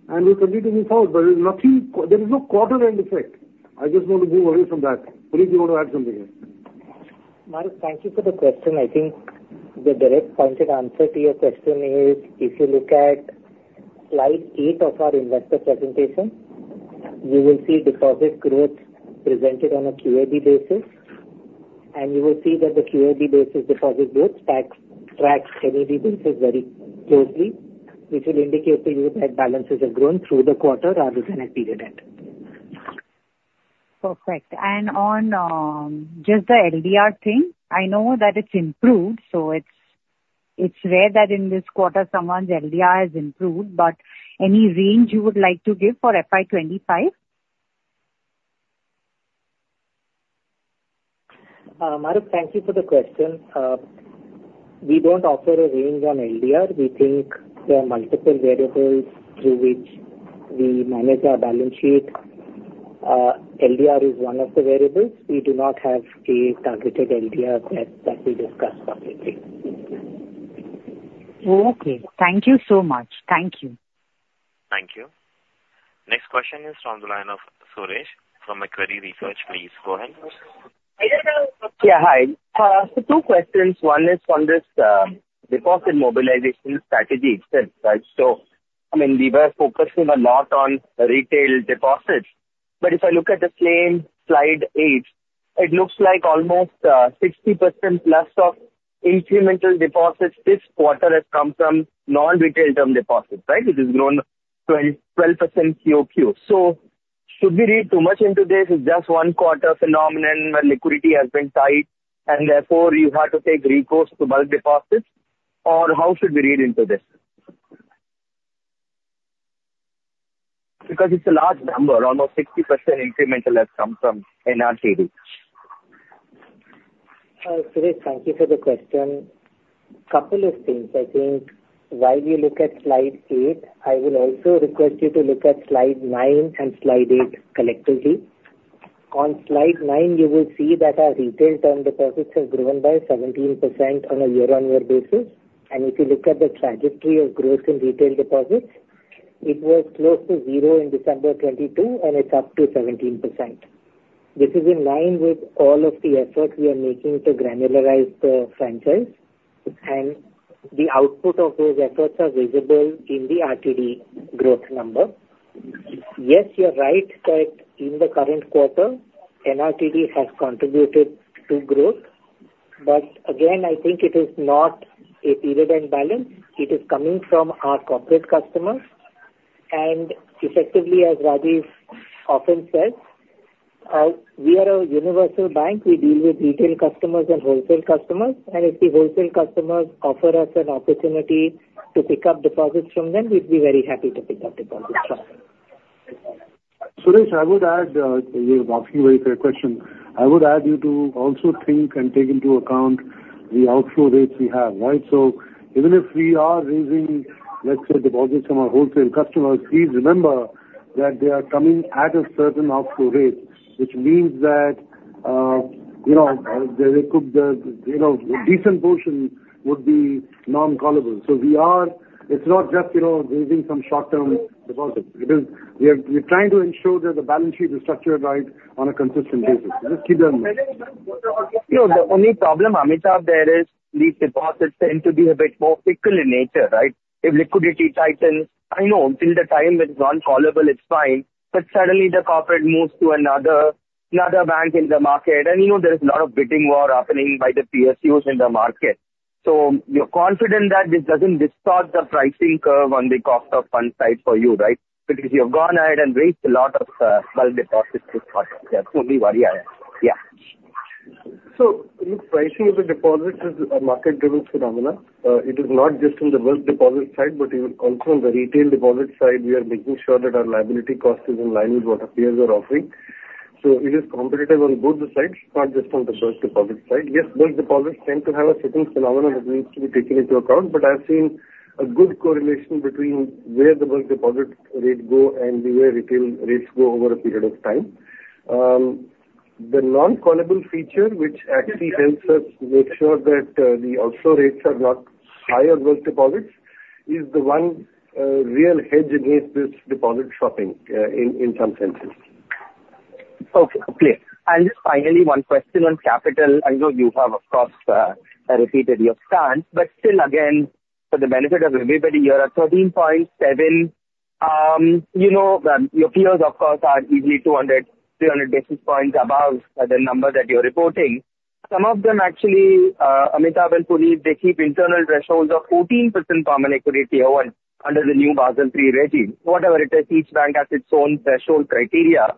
and we continue to move forward, but there is no quarter-end effect. I just want to move away from that. Puneet, you want to add something here? Mahrukh, thank you for the question. I think the direct pointed answer to your question is, if you look at slide eight of our investor presentation, you will see deposit growth presented on a QAB basis, and you will see that the QAB basis deposit growth tracks, tracks CASA basis very closely, which will indicate to you that balances have grown through the quarter rather than at period end. Perfect. On just the LDR thing, I know that it's improved, so it's rare that in this quarter someone's LDR has improved, but any range you would like to give for FY 25? Mahrukh, thank you for the question. We don't offer a range on LDR. We think there are multiple variables through which we manage our balance sheet. LDR is one of the variables. We do not have a targeted LDR that, that we discuss publicly. Okay. Thank you so much. Thank you. Thank you. Next question is from the line of Suresh from Macquarie Research. Please go ahead. Yeah, hi. So two questions. One is on this, deposit mobilization strategy itself, right? So, I mean, we were focusing a lot on retail deposits, but if I look at the same slide eight, it looks like almost 60%+ of incremental deposits this quarter has come from non-retail term deposits, right? It has grown 12, 12% QOQ. So should we read too much into this? It's just one quarter phenomenon where liquidity has been tight, and therefore you have to take recourse to bulk deposits, or how should we read into this? Because it's a large number, almost 60% incremental has come from NRTD. Suresh, thank you for the question. Couple of things. I think while we look at slide eight, I will also request you to look at slide nine and slide eight collectively. On slide nine, you will see that our retail term deposits have grown by 17% on a year-on-year basis, and if you look at the trajectory of growth in retail deposits, it was close to zero in December 2022, and it's up to 17%. This is in line with all of the effort we are making to granularize the franchise, and the output of those efforts are visible in the RTD growth number. Yes, you're right that in the current quarter, NRTD has contributed to growth, but again, I think it is not a period end balance. It is coming from our corporate customers, and effectively, as Rajiv often says, we are a universal bank. We deal with retail customers and wholesale customers, and if the wholesale customers offer us an opportunity to pick up deposits from them, we'd be very happy to pick up deposits from them. Suresh, I would add, you're asking a very fair question. I would add you to also think and take into account the outflow rates we have, right? So even if we are raising, let's say, deposits from our wholesale customers, please remember that they are coming at a certain outflow rate, which means that you know, there could you know, a decent portion would be non-callable. So it's not just, you know, raising some short-term deposits. It is, we're trying to ensure that the balance sheet is structured right on a consistent basis. Just keep them. You know, the only problem, Amitabh, there is, these deposits tend to be a bit more fickle in nature, right? If liquidity tightens, I know until the time it's non-callable, it's fine, but suddenly the corporate moves to another, another bank in the market, and, you know, there is a lot of bidding war happening by the PSUs in the market. So you're confident that this doesn't distort the pricing curve on the cost of fund side for you, right? Because you have gone ahead and raised a lot of bulk deposits this quarter. That's the only worry I have. Yeah. So, pricing of the deposits is a market-driven phenomenon. It is not just on the bulk deposit side, but it is also on the retail deposit side. We are making sure that our liability cost is in line with what our peers are offering. So it is competitive on both the sides, not just on the bulk deposit side. Yes, bulk deposits tend to have a certain phenomenon that needs to be taken into account, but I've seen a good correlation between where the bulk deposit rate go and the way retail rates go over a period of time. The non-callable feature, which actually helps us make sure that the outflow rates are not higher bulk deposits, is the one real hedge against this deposit shopping in some senses. Okay, clear. Just finally, one question on capital. I know you have, of course, repeated your stance, but still, again, for the benefit of everybody, you're at 13.7%. You know, your peers, of course, are easily 200, 300 basis points above the number that you're reporting. Some of them actually, Amitabh and Puneet, they keep internal thresholds of 14% Common Equity Tier 1 under the new Basel III regime. Whatever it is, each bank has its own threshold criteria.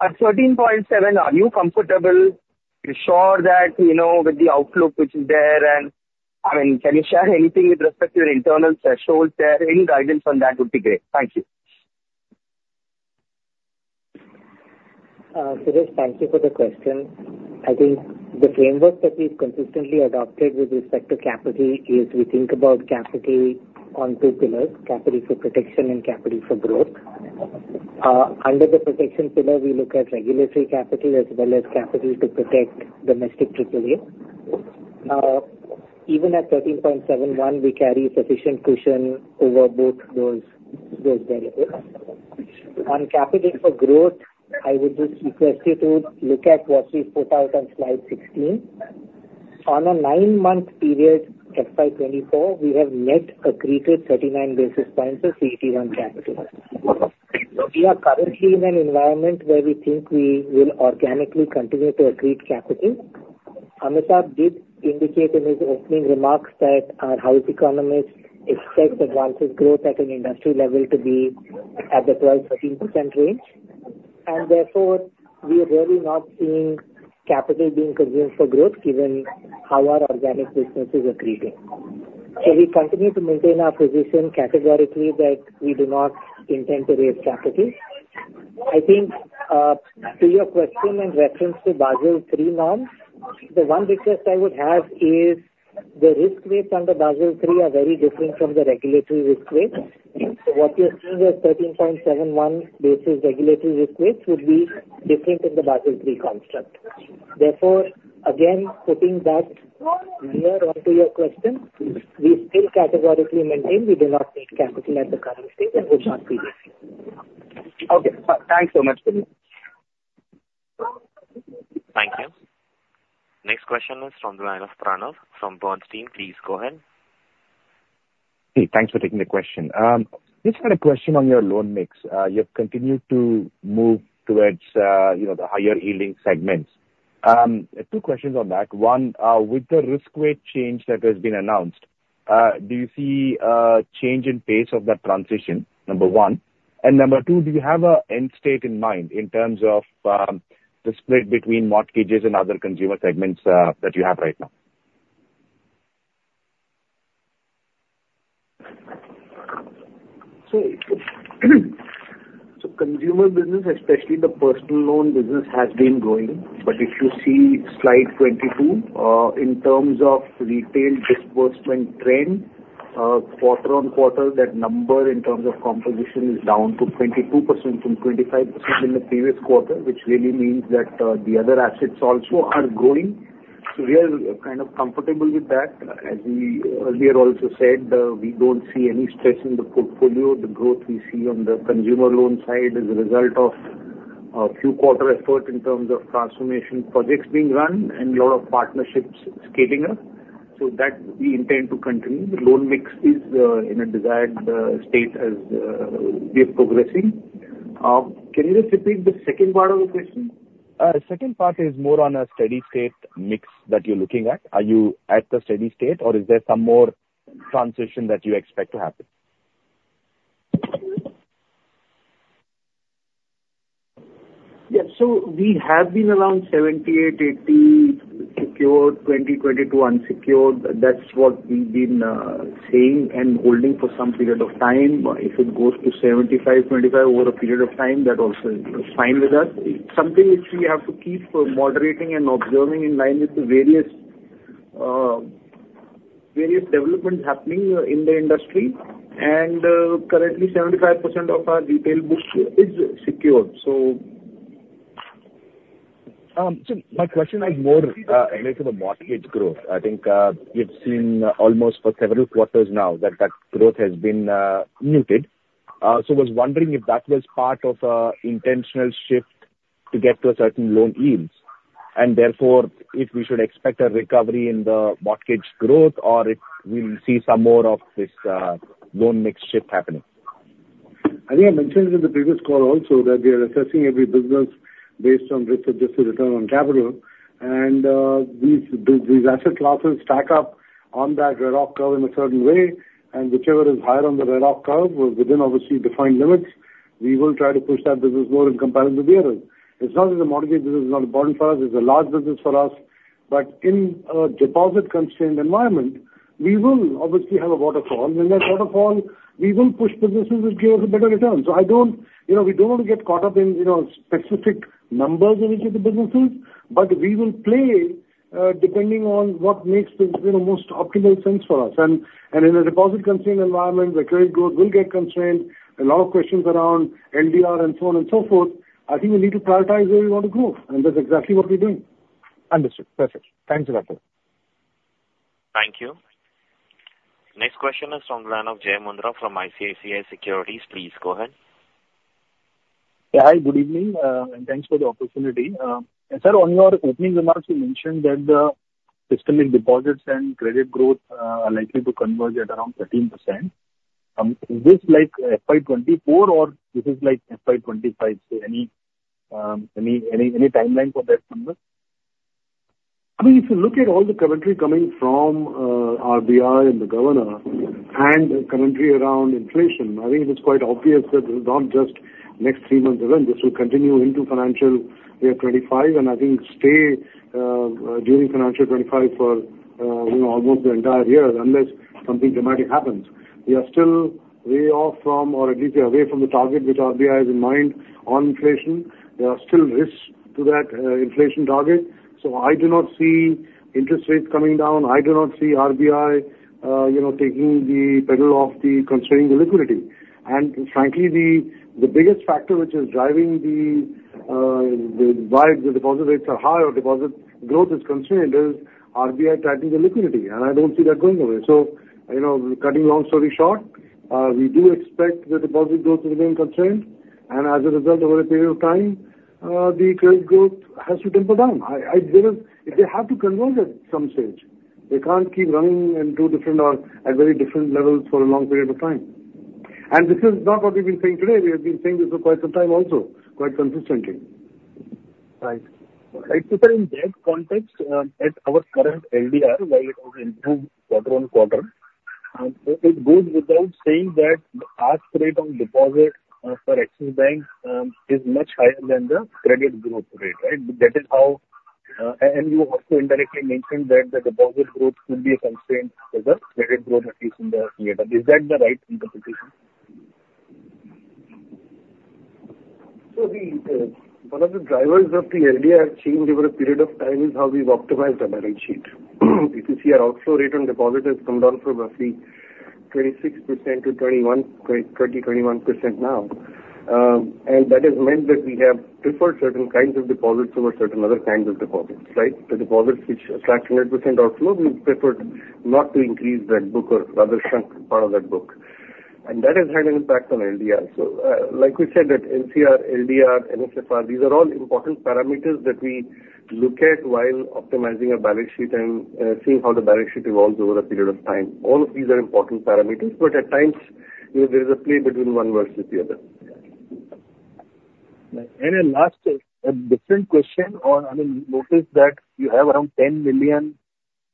At 13.7%, are you comfortable? Are you sure that, you know, with the outlook which is there, and, I mean, can you share anything with respect to your internal thresholds there? Any guidance on that would be great. Thank you. Suresh, thank you for the question. I think the framework that we've consistently adopted with respect to capital is we think about capital on two pillars, capital for protection and capital for growth. Under the protection pillar, we look at regulatory capital as well as capital to protect domestic triple-A. Even at 13.71, we carry sufficient cushion over both those areas. On capital for growth, I would just request you to look at what we've profiled on slide 16. On a nine-month period, FY 2024, we have net accreted 39 basis points of CET1 capital. We are currently in an environment where we think we will organically continue to accrete capital. Amitabh did indicate in his opening remarks that our house economists expect advances growth at an industry level to be at the 12%-13% range, and therefore, we are really not seeing capital being consumed for growth, given how our organic business is accreting. So we continue to maintain our position categorically that we do not intend to raise capital. I think, to your question in reference to Basel III norms, the one request I would have is, the risk rates under Basel III are very different from the regulatory risk rates. So what you're seeing as 13.71 basis regulatory risk rates would be different in the Basel III construct. Therefore, again, putting that layer onto your question, we still categorically maintain we do not need capital at the current stage and will not be raising. Okay. Thanks so much. Thank you. Next question is from the line of Pranav, from Bernstein. Please go ahead. Hey, thanks for taking the question. Just had a question on your loan mix. You've continued to move towards, you know, the higher-yielding segments. Two questions on that. One, with the risk weight change that has been announced, do you see a change in pace of that transition? Number one. And number two, do you have a end state in mind in terms of, the split between mortgages and other consumer segments, that you have right now? So, the consumer business, especially the personal loan business, has been growing. But if you see slide 22, in terms of retail disbursement trend, quarter-on-quarter, that number in terms of composition is down to 22% from 25% in the previous quarter, which really means that the other assets also are growing. So we are kind of comfortable with that. As we earlier also said, we don't see any stress in the portfolio. The growth we see on the consumer loan side is a result of a few quarter effort in terms of transformation projects being run and lot of partnerships scaling up. So that we intend to continue. The loan mix is in a desired state as we are progressing. Can you just repeat the second part of the question? Second part is more on a steady state mix that you're looking at. Are you at the steady state, or is there some more transition that you expect to happen? Yeah, so we have been around 78-80 secured, 20-22 unsecured. That's what we've been saying and holding for some period of time. If it goes to 75-25 over a period of time, that also is fine with us. It's something which we have to keep moderating and observing in line with the various developments happening in the industry, and currently, 75% of our retail book is secured. So- So my question is more related to the mortgage growth. I think, we've seen almost for several quarters now that that growth has been muted. So I was wondering if that was part of an intentional shift to get to a certain loan yields, and therefore, if we should expect a recovery in the mortgage growth or if we will see some more of this loan mix shift happening? I think I mentioned in the previous call also that we are assessing every business based on risk-adjusted return on capital, and these asset classes stack up on that RAROC curve in a certain way, and whichever is higher on the RAROC curve, within obviously defined limits, we will try to push that business more in comparison to the other. It's not that the mortgage business is not important for us. It's a large business for us. But in a deposit-constrained environment, we will obviously have a waterfall, and in that waterfall, we will push businesses which give us a better return. So I don't, you know, we don't want to get caught up in, you know, specific numbers in each of the businesses, but we will play depending on what makes the, you know, most optimal sense for us. And in a deposit-constrained environment, the credit growth will get constrained. A lot of questions around LDR and so on and so forth, I think we need to prioritize where we want to grow, and that's exactly what we're doing. Understood. Perfect. Thanks a lot, sir. Thank you. Next question is from the line of Jai Mundhra from ICICI Securities. Please go ahead. Yeah, hi, good evening, and thanks for the opportunity. Sir, on your opening remarks, you mentioned that the systemic deposits and credit growth are likely to converge at around 13%. Is this like FY 2024 or this is like FY 2025? So any timeline for that number? I mean, if you look at all the commentary coming from RBI and the governor and the commentary around inflation, I think it is quite obvious that this is not just next three months event, this will continue into financial year 25, and I think stay during financial 25 for you know, almost the entire year, unless something dramatic happens. We are still way off from, or at least away from the target, which RBI has in mind on inflation. There are still risks to that inflation target. So I do not see interest rates coming down. I do not see RBI you know, taking the pedal off the constraining the liquidity. Frankly, the biggest factor which is driving the why the deposit rates are high or deposit growth is constrained is RBI tightening the liquidity, and I don't see that going away. So, you know, cutting long story short, we do expect the deposit growth to remain constrained, and as a result, over a period of time, the credit growth has to temper down. I because they have to converge at some stage. They can't keep running in two different or at very different levels for a long period of time. This is not what we've been saying today. We have been saying this for quite some time also, quite consistently. Right. So in that context, at our current LDR, while it has improved quarter-on-quarter, it goes without saying that the ask rate on deposit for Axis Bank is much higher than the credit growth rate, right? That is how, and you also indirectly mentioned that the deposit growth will be constrained as the credit growth, at least in the near term. Is that the right interpretation? So one of the drivers of the LDR change over a period of time is how we've optimized our balance sheet. If you see our outflow rate on deposit has come down from roughly 26% to 21%, 20%, 21% now. And that has meant that we have preferred certain kinds of deposits over certain other kinds of deposits, right? The deposits which attract 100% outflow, we preferred not to increase that book or rather shrunk part of that book. And that has had an impact on LDR. So, like we said, that NCR, LDR, NSFR, these are all important parameters that we look at while optimizing our balance sheet and seeing how the balance sheet evolves over a period of time. All of these are important parameters, but at times, you know, there is a play between one versus the other. Last, a different question on, I mean, we noticed that you have around 10 million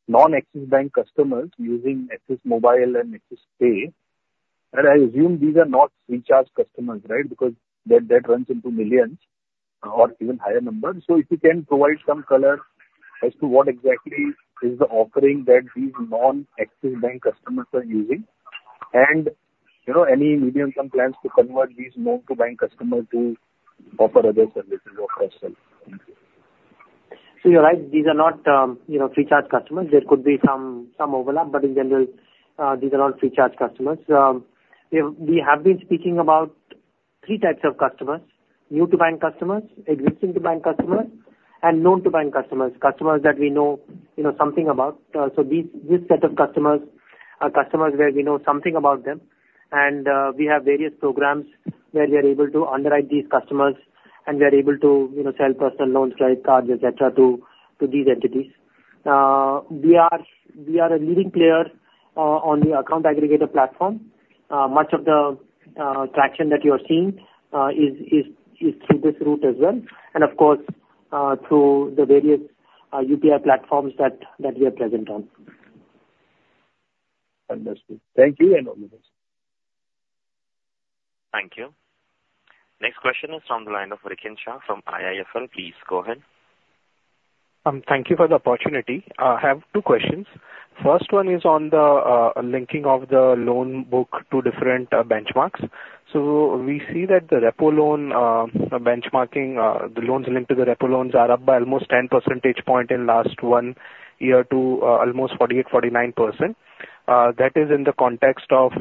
non-Axis Bank customers using Axis Mobile and Axis Pay, and I assume these are not Freecharge customers, right? Because that, that runs into millions or even higher numbers. If you can provide some color as to what exactly is the offering that these non-Axis Bank customers are using, and, you know, any medium-term plans to convert these non-bank customers to offer other services or cross-sell? Thank you. So you're right, these are not, you know, Freecharge customers. There could be some overlap, but in general, these are all Freecharge customers. We have been speaking about three types of customers: new to bank customers, existing to bank customers, and known to bank customers, customers that we know, you know, something about. So these, this set of customers are customers where we know something about them, and we have various programs where we are able to underwrite these customers, and we are able to, you know, sell personal loans, like cards, et cetera, to these entities. We are a leading player on the account aggregator platform. Much of the traction that you are seeing is through this route as well, and of course through the various UPI platforms that we are present on. Understood. Thank you, and all the best. Thank you. Next question is from the line of Rikin Shah from IIFL. Please go ahead. Thank you for the opportunity. I have two questions. First one is on the linking of the loan book to different benchmarks. So we see that the repo loan benchmarking the loans linked to the repo loans are up by almost 10 percentage point in last one year to almost 48-49%.... that is in the context of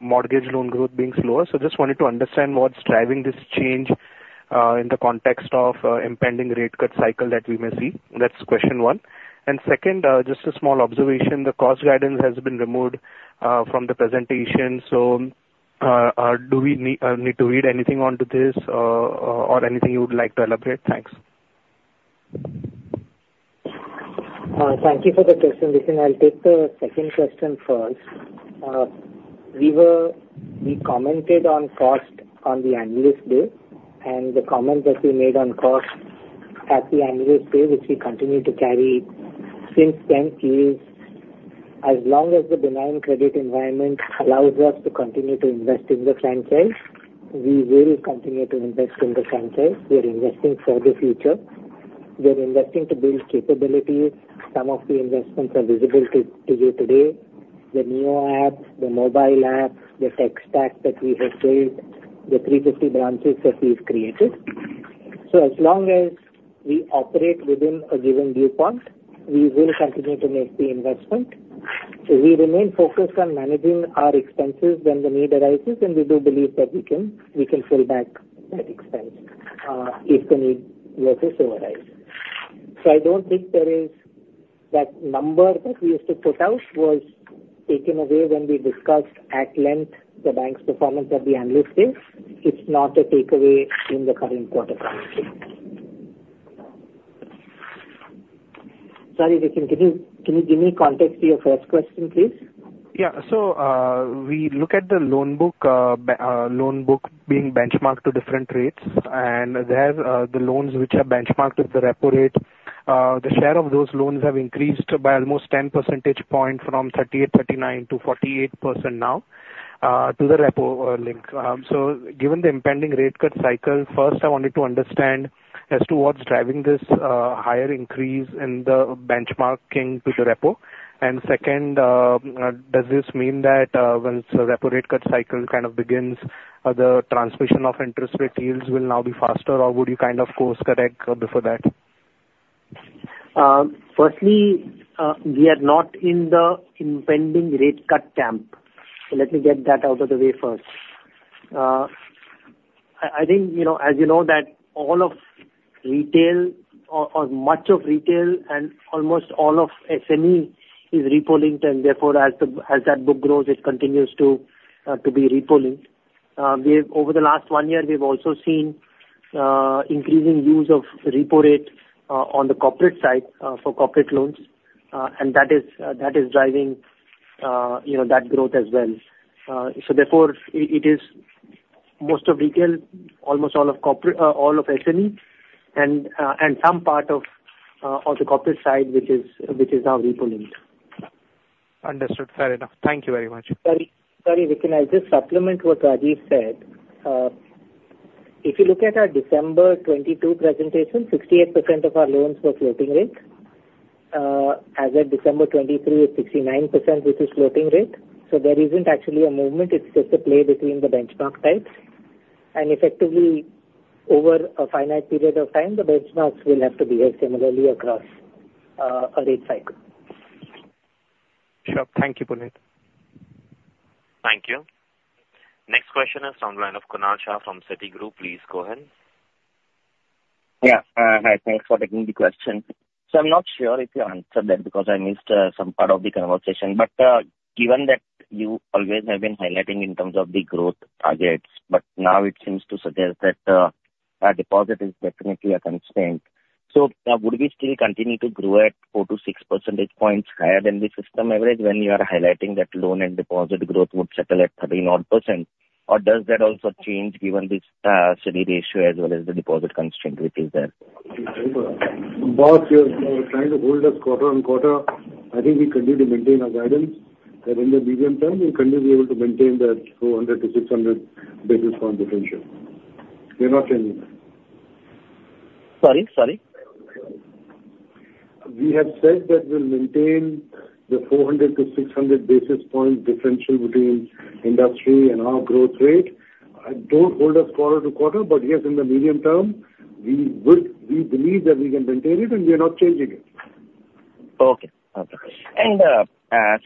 mortgage loan growth being slower. So just wanted to understand what's driving this change in the context of impending rate cut cycle that we may see? That's question one. And second, just a small observation, the cost guidance has been removed from the presentation. So, do we need to read anything onto this, or anything you would like to elaborate? Thanks. Thank you for the question. Listen, I'll take the second question first. We commented on cost on the analyst day, and the comments that we made on cost at the analyst day, which we continue to carry since then, is as long as the benign credit environment allows us to continue to invest in the franchise, we will continue to invest in the franchise. We are investing for the future. We are investing to build capabilities. Some of the investments are visible to you today: the Neo app, the mobile app, the tech stack that we have built, the 350 branches that we've created. So as long as we operate within a given viewpoint, we will continue to make the investment. We remain focused on managing our expenses when the need arises, and we do believe that we can, we can pull back that expense if the need were to so arise. So I don't think there is, that number that we used to put out was taken away when we discussed at length the bank's performance at the analyst day. It's not a takeaway in the current quarter. Sorry, can you, can you give me context to your first question, please? Yeah. So, we look at the loan book, loan book being benchmarked to different rates, and there, the loans which are benchmarked with the repo rate, the share of those loans have increased by almost 10 percentage point from 38%-39% to 48% now, to the repo link. So given the impending rate cut cycle, first, I wanted to understand as to what's driving this, higher increase in the benchmarking to the repo? And second, does this mean that, once the repo rate cut cycle kind of begins, the transmission of interest rate yields will now be faster, or would you kind of course-correct before that? Firstly, we are not in the impending rate cut camp, so let me get that out of the way first. I think, you know, as you know, that all of retail or much of retail and almost all of SME is repo linked, and therefore, as that book grows, it continues to be repo linked. We've, over the last one year, we've also seen increasing use of repo rate on the corporate side for corporate loans, and that is driving, you know, that growth as well. So therefore, it is most of retail, almost all of corporate, all of SME and some part of the corporate side, which is now repo linked. Understood. Fair enough. Thank you very much. Sorry, sorry, Rikin, I'll just supplement what Rajiv said. If you look at our December 2022 presentation, 68% of our loans were floating rate. As of December 2023, it's 69%, which is floating rate. So there isn't actually a movement, it's just a play between the benchmark types. And effectively, over a finite period of time, the benchmarks will have to behave similarly across a rate cycle. Sure. Thank you, Puneet. Thank you. Next question is on line of Kunal Shah from Citigroup. Please go ahead. Yeah, hi. Thanks for taking the question. So I'm not sure if you answered that, because I missed some part of the conversation. But given that you always have been highlighting in terms of the growth targets, but now it seems to suggest that deposit is definitely a constraint. So would we still continue to grow at 4-6 percentage points higher than the system average when you are highlighting that loan and deposit growth would settle at 13 odd %? Or does that also change given the CD ratio as well as the deposit constraint, which is there? Boss, you're, you're trying to hold us quarter-on-quarter. I think we continue to maintain our guidance, that in the medium term we'll continue to be able to maintain that 400-600 basis point differential. We're not changing that. Sorry, sorry? We have said that we'll maintain the 400-600 basis point differential between industry and our growth rate. Don't hold us quarter to quarter, but yes, in the medium term, we would... We believe that we can maintain it, and we are not changing it. Okay. Okay. And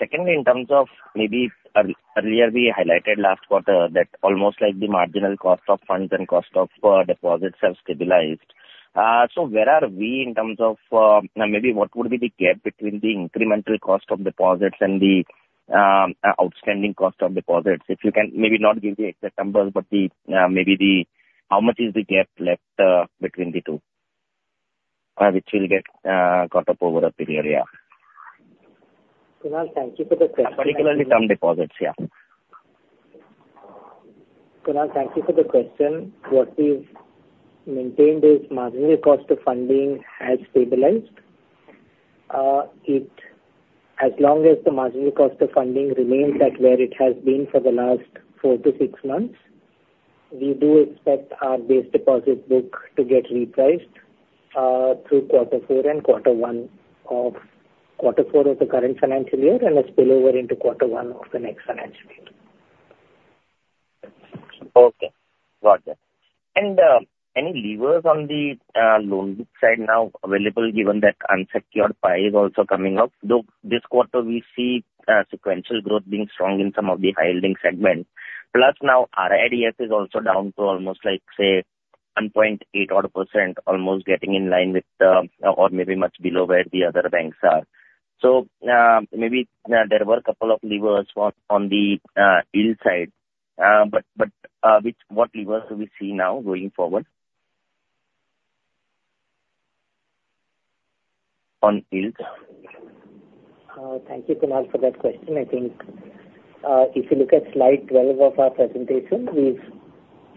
secondly, in terms of maybe earlier, we highlighted last quarter that almost like the marginal cost of funds and cost of deposits have stabilized. So where are we in terms of maybe what would be the gap between the incremental cost of deposits and the outstanding cost of deposits? If you can maybe not give the exact numbers, but the maybe the how much is the gap left between the two which will get caught up over a period, yeah. Kunal, thank you for the question. Particularly term deposits, yeah. Kunal, thank you for the question. What we've maintained is marginal cost of funding has stabilized. It, as long as the marginal cost of funding remains at where it has been for the last 4-6 months, we do expect our base deposit book to get repriced, through quarter four and quarter one of... Quarter four of the current financial year, and a spillover into quarter one of the next financial year.... Okay, got that. And any levers on the loan book side now available, given that unsecured pie is also coming up, though this quarter we see sequential growth being strong in some of the high yielding segments. Plus now our LDR is also down to almost like, say, 1.8 odd%, almost getting in line with the, or maybe much below where the other banks are. So maybe there were a couple of levers on the yield side. But which, what levers do we see now going forward? On yield. Thank you, Kunal, for that question. I think, if you look at slide 12 of our presentation, we've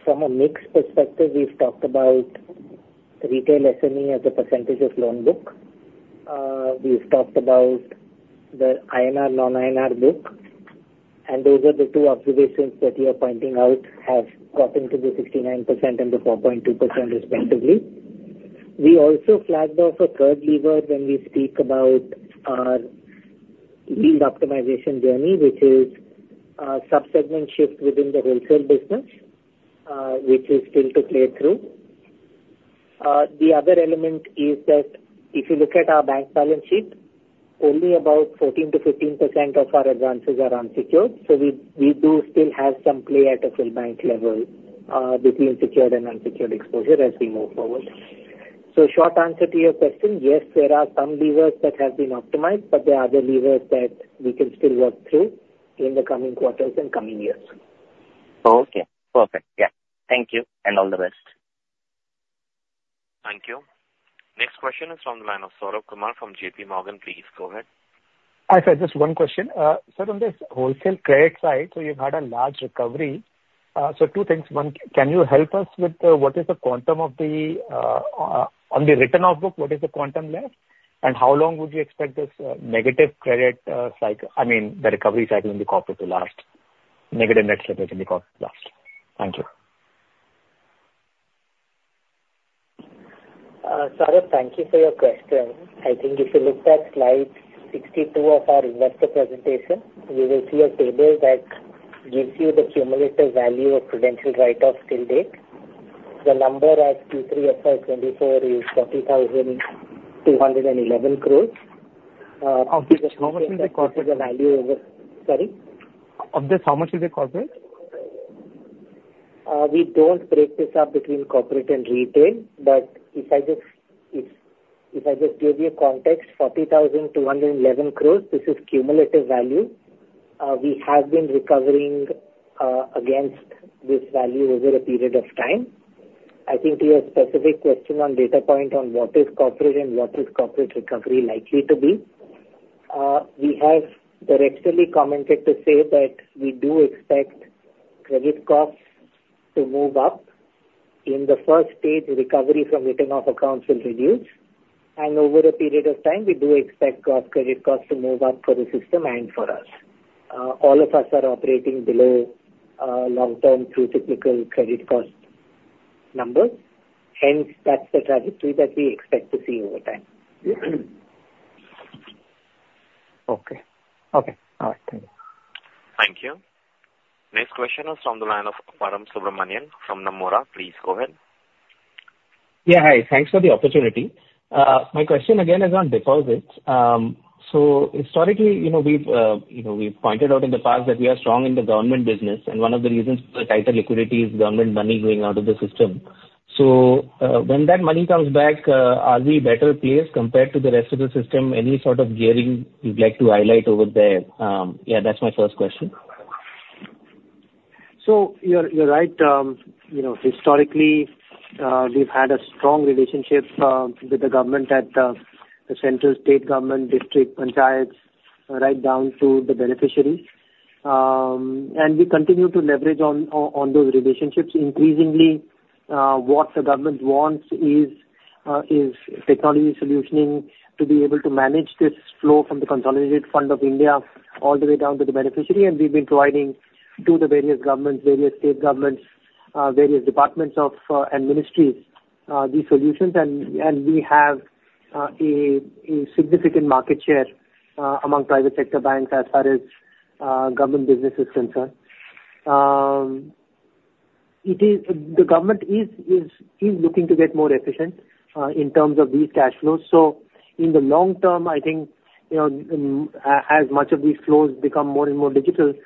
from a mix perspective, we've talked about retail SME as a percentage of loan book. We've talked about the INR, non-INR book, and those are the two observations that you're pointing out, have gotten to be 69% and the 4.2% respectively. We also flagged off a third lever when we speak about our yield optimization journey, which is, sub-segment shift within the wholesale business, which is still to play through. The other element is that if you look at our bank balance sheet, only about 14%-15% of our advances are unsecured. So we, we do still have some play at a full bank level, between secured and unsecured exposure as we move forward. Short answer to your question: Yes, there are some levers that have been optimized, but there are other levers that we can still work through in the coming quarters and coming years. Okay. Perfect. Yeah. Thank you, and all the best. Thank you. Next question is from the line of Saurabh Kumar from JP Morgan. Please go ahead. Hi, sir, just one question. So on this wholesale credit side, so you've had a large recovery. So two things. One, can you help us with, what is the quantum of the, on the written off book, what is the quantum left? And how long would you expect this, negative credit, cycle, I mean, the recovery cycle in the corporate to last? Negative net separation in the corporate to last. Thank you. Saurabh, thank you for your question. I think if you look at slide 62 of our investor presentation, you will see a table that gives you the cumulative value of credit write-offs to date. The number as Q3 of FY 2024 is 40,211 crore. Of this, how much is the corporate? Sorry? Of this, how much is the corporate? We don't break this up between corporate and retail, but if I just give you a context, 40,211 crore, this is cumulative value. We have been recovering against this value over a period of time. I think to your specific question on data point on what is corporate and what is corporate recovery likely to be, we have directly commented to say that we do expect credit costs to move up. In the first stage, recovery from written-off accounts will reduce, and over a period of time, we do expect our credit costs to move up for the system and for us. All of us are operating below long-term true technical credit cost numbers. Hence, that's the trajectory that we expect to see over time. Okay. Okay. All right, thank you. Thank you. Next question is from the line of Param Subramanian from Nomura. Please go ahead. Yeah, hi. Thanks for the opportunity. My question again is on deposits. So historically, you know, we've, you know, we've pointed out in the past that we are strong in the government business, and one of the reasons for the tighter liquidity is government money going out of the system. So, when that money comes back, are we better placed compared to the rest of the system? Any sort of gearing you'd like to highlight over there? Yeah, that's my first question. So you're right. You know, historically, we've had a strong relationship with the government at the central state government, district panchayats, right down to the beneficiaries. And we continue to leverage on those relationships. Increasingly, what the government wants is technology solutioning to be able to manage this flow from the Consolidated Fund of India all the way down to the beneficiary. And we've been providing to the various governments, various state governments, various departments of and ministries these solutions. And we have a significant market share among private sector banks as far as government business is concerned. The government is looking to get more efficient in terms of these cash flows. So in the long term, I think, you know, as much of these flows become more and more digital, you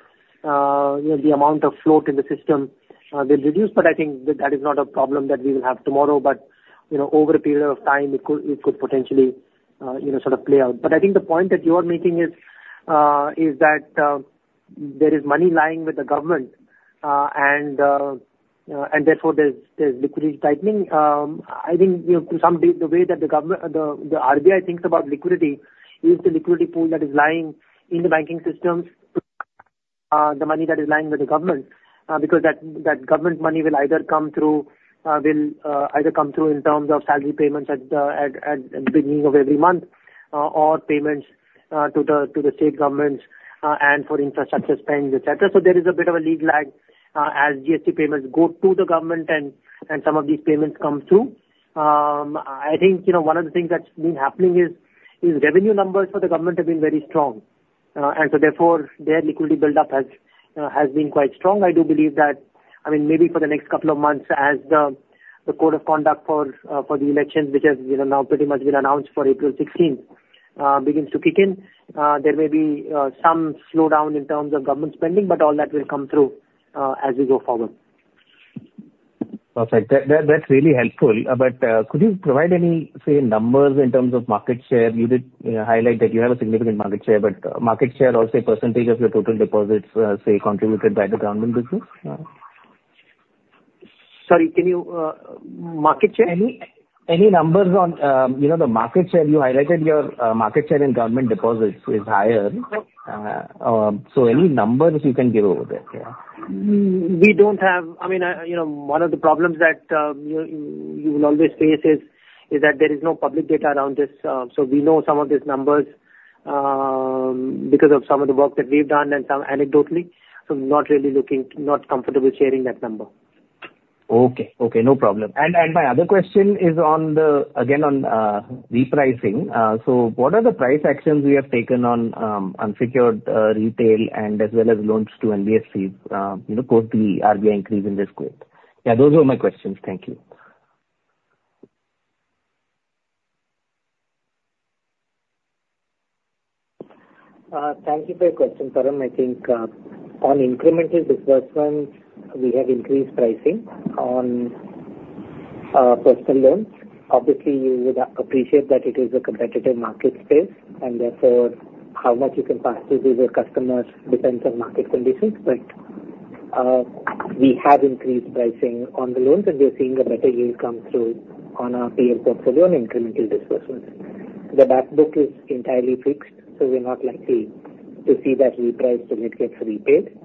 know, the amount of float in the system will reduce, but I think that is not a problem that we will have tomorrow. But, you know, over a period of time, it could potentially, you know, sort of play out. But I think the point that you are making is that there is money lying with the government, and therefore, there's liquidity tightening. I think, you know, to some degree, the way that the government... The RBI thinks about liquidity, is the liquidity pool that is lying in the banking systems, the money that is lying with the government, because that government money will either come through, will either come through in terms of salary payments at the beginning of every month, or payments to the state governments, and for infrastructure spends, et cetera. So there is a bit of a legal lag, as GST payments go to the government and some of these payments come through. I think, you know, one of the things that's been happening is revenue numbers for the government have been very strong. And so therefore, their liquidity buildup has been quite strong. I do believe that, I mean, maybe for the next couple of months, as the code of conduct for the elections, which has, you know, now pretty much been announced for April sixteenth, begins to kick in, there may be some slowdown in terms of government spending, but all that will come through as we go forward. Perfect. That, that, that's really helpful. But, could you provide any, say, numbers in terms of market share? You did, highlight that you have a significant market share, but, market share or, say, percentage of your total deposits, say, contributed by the government business? Sorry, can you... Market share? Any numbers on, you know, the market share? You highlighted your market share in government deposits is higher. Okay. Any numbers you can give over there, yeah? We don't have... I mean, you know, one of the problems that you will always face is that there is no public data around this, so we know some of these numbers because of some of the work that we've done and some anecdotally, so not really looking, not comfortable sharing that number. Okay. Okay, no problem. And, and my other question is on the, again, on, repricing. So what are the price actions we have taken on, unsecured, retail and as well as loans to NBFCs, you know, post the RBI increase in risk weight? Yeah, those were my questions. Thank you. Thank you for your question, Param. I think, on incremental disbursements, we have increased pricing on personal loans. Obviously, you would appreciate that it is a competitive market space, and therefore, how much you can pass through to the customers depends on market conditions. But we have increased pricing on the loans, and we are seeing a better yield come through on our PM portfolio and incremental disbursements. The back book is entirely fixed, so we're not likely to see that repriced until it gets repaid.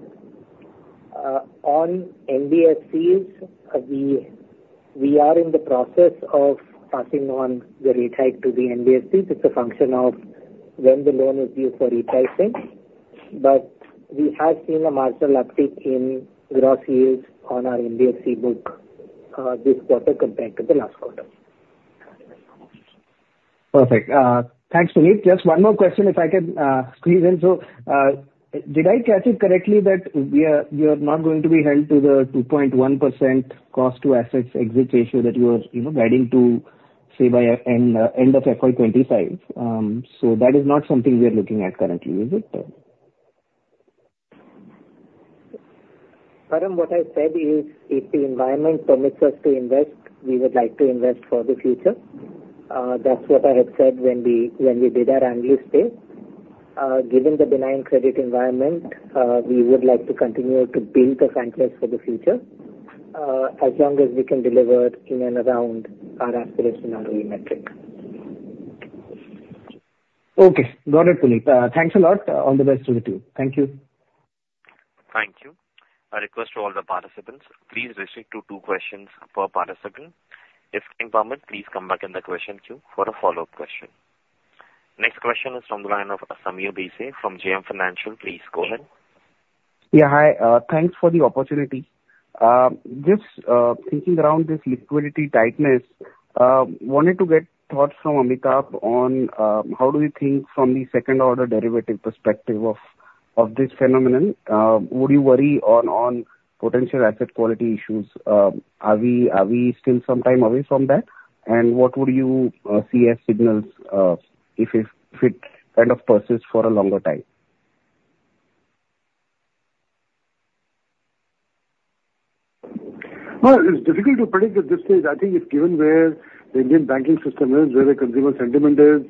On NBFCs, we are in the process of passing on the rate hike to the NBFCs. It's a function of when the loan is due for repricing. But we have seen a marginal uptick in gross yields on our NBFC book this quarter compared to the last quarter. Perfect. Thanks, Puneet. Just one more question, if I can, squeeze in. So, did I catch it correctly that we are, you are not going to be held to the 2.1% cost to assets exit ratio that you are, you know, guiding to, say, by end of FY 2025? So that is not something we are looking at currently, is it? Param, what I said is, if the environment permits us to invest, we would like to invest for the future. That's what I had said when we, when we did our annual strategy. Given the benign credit environment, we would like to continue to build the strength for the future, as long as we can deliver in and around our aspirational ROE metric. Okay. Got it, Puneet. Thanks a lot. All the best to the team. Thank you. Thank you. I request to all the participants, please restrict to two questions per participant. If time permits, please come back in the question queue for a follow-up question. Next question is from the line of Sameer Desai from JM Financial. Please go ahead. Yeah, hi. Thanks for the opportunity. Just thinking around this liquidity tightness, wanted to get thoughts from Amitabh on how do you think from the second order derivative perspective of this phenomenon, would you worry on potential asset quality issues? Are we still some time away from that? And what would you see as signals if it kind of persists for a longer time? Well, it's difficult to predict at this stage. I think it's given where the Indian banking system is, where the consumer sentiment is,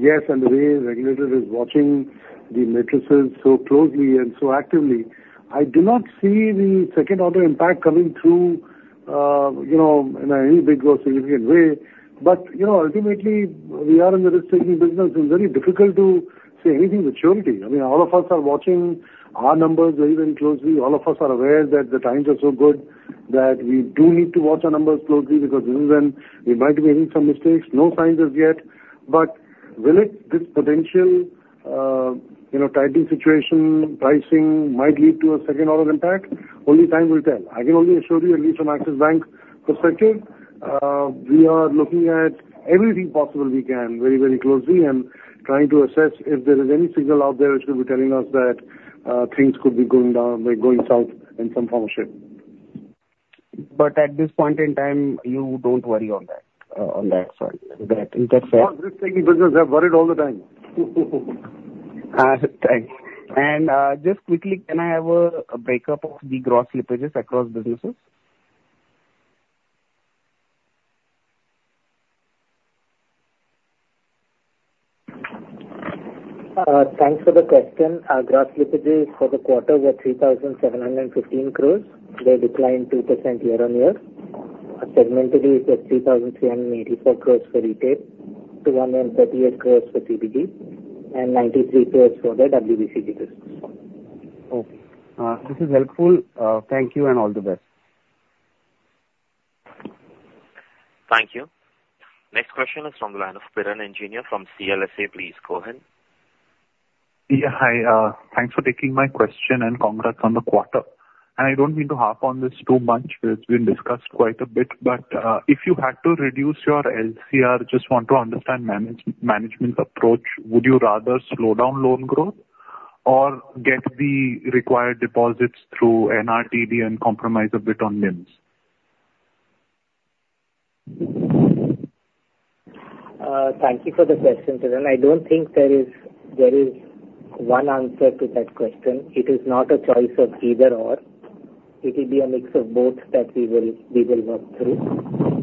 yes, and the way regulator is watching the metrics so closely and so actively, I do not see the second order impact coming through, you know, in any big or significant way. But, you know, ultimately, we are in the risk-taking business. It's very difficult to say anything with certainty. I mean, all of us are watching our numbers very, very closely. All of us are aware that the times are so good that we do need to watch our numbers closely, because who knows when we might be making some mistakes. No signs as yet, but will it, this potential, you know, tightening situation, pricing, might lead to a second order impact? Only time will tell. I can only assure you, at least from Axis Bank perspective, we are looking at everything possible we can very, very closely and trying to assess if there is any signal out there which will be telling us that, things could be going down, like, going south in some form or shape. But at this point in time, you don't worry on that, on that front, is that, is that fair? No, risk-taking business, I'm worried all the time. Thanks. Just quickly, can I have a breakdown of the gross slippages across businesses? Thanks for the question. Our gross slippages for the quarter were 3,715 crore. They declined 2% year-on-year. Segmentally, it was 3,384 crore for retail, 238 crore for TBD, and 93 crore for the WBBD business. Okay, this is helpful. Thank you and all the best. Thank you. Next question is from the line of Piran Engineer from CLSA. Please go ahead.... Yeah, hi, thanks for taking my question and congrats on the quarter. And I don't mean to harp on this too much, but it's been discussed quite a bit, but if you had to reduce your LCR, just want to understand management's approach, would you rather slow down loan growth or get the required deposits through NRTD and compromise a bit on NIMs? Thank you for the question, Piran. I don't think there is one answer to that question. It is not a choice of either/or. It will be a mix of both that we will work through.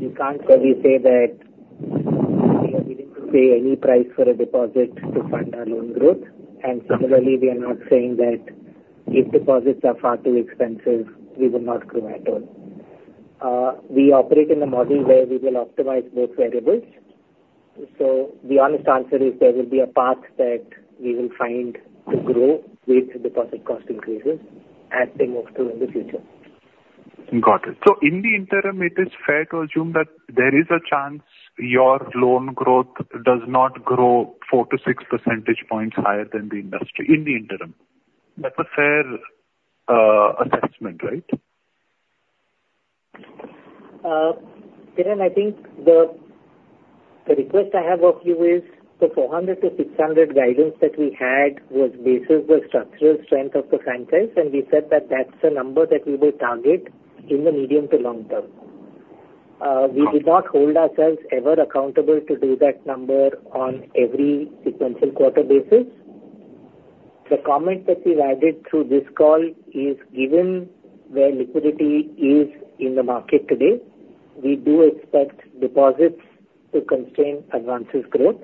We can't really say that we are willing to pay any price for a deposit to fund our loan growth, and similarly, we are not saying that if deposits are far too expensive, we will not grow at all. We operate in a model where we will optimize both variables, so the honest answer is there will be a path that we will find to grow with deposit cost increases as we move through in the future. Got it. So in the interim, it is fair to assume that there is a chance your loan growth does not grow 4-6 percentage points higher than the industry, in the interim. That's a fair assessment, right? Kiran, I think the request I have of you is, the 400-600 guidance that we had was based on the structural strength of the franchise, and we said that that's the number that we will target in the medium to long term. We did not hold ourselves ever accountable to do that number on every sequential quarter basis. The comment that we've added through this call is, given where liquidity is in the market today, we do expect deposits to constrain advances growth.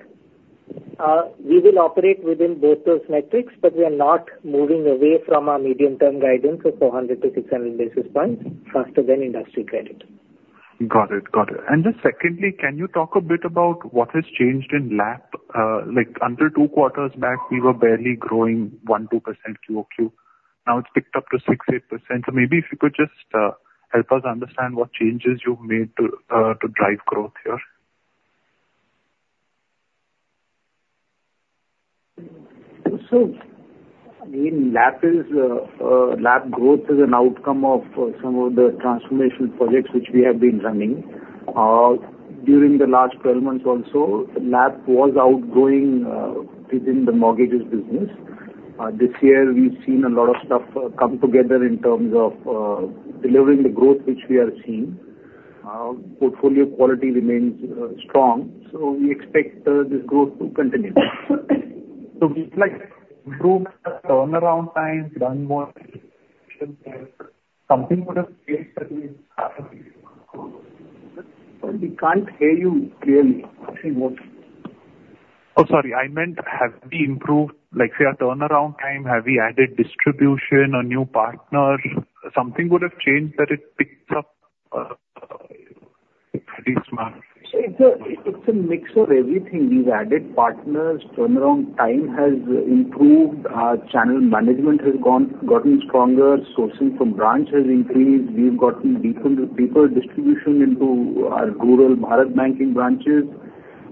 We will operate within both those metrics, but we are not moving away from our medium-term guidance of 400-600 basis points faster than industry credit. Got it. Got it. And just secondly, can you talk a bit about what has changed in LAP? Like, under two quarters back, we were barely growing 1%-2% QOQ. Now it's picked up to 6%-8%. So maybe if you could just help us understand what changes you've made to drive growth here. So, I mean, LAP is LAP growth is an outcome of some of the transformation projects which we have been running. During the last 12 months also, LAP was outgrowing within the mortgages business. This year, we've seen a lot of stuff come together in terms of delivering the growth, which we are seeing. Portfolio quality remains strong, so we expect this growth to continue. We'd like to improve the turnaround time. Something would have changed, but we- We can't hear you clearly. Oh, sorry. I meant, have we improved, like, say, our turnaround time? Have we added distribution, a new partner? Something would have changed that it picks up, pretty smart. It's a mix of everything. We've added partners. Turnaround time has improved. Our channel management has gone, gotten stronger. Sourcing from branch has increased. We've gotten deeper, deeper distribution into our rural Bharat Banking branches.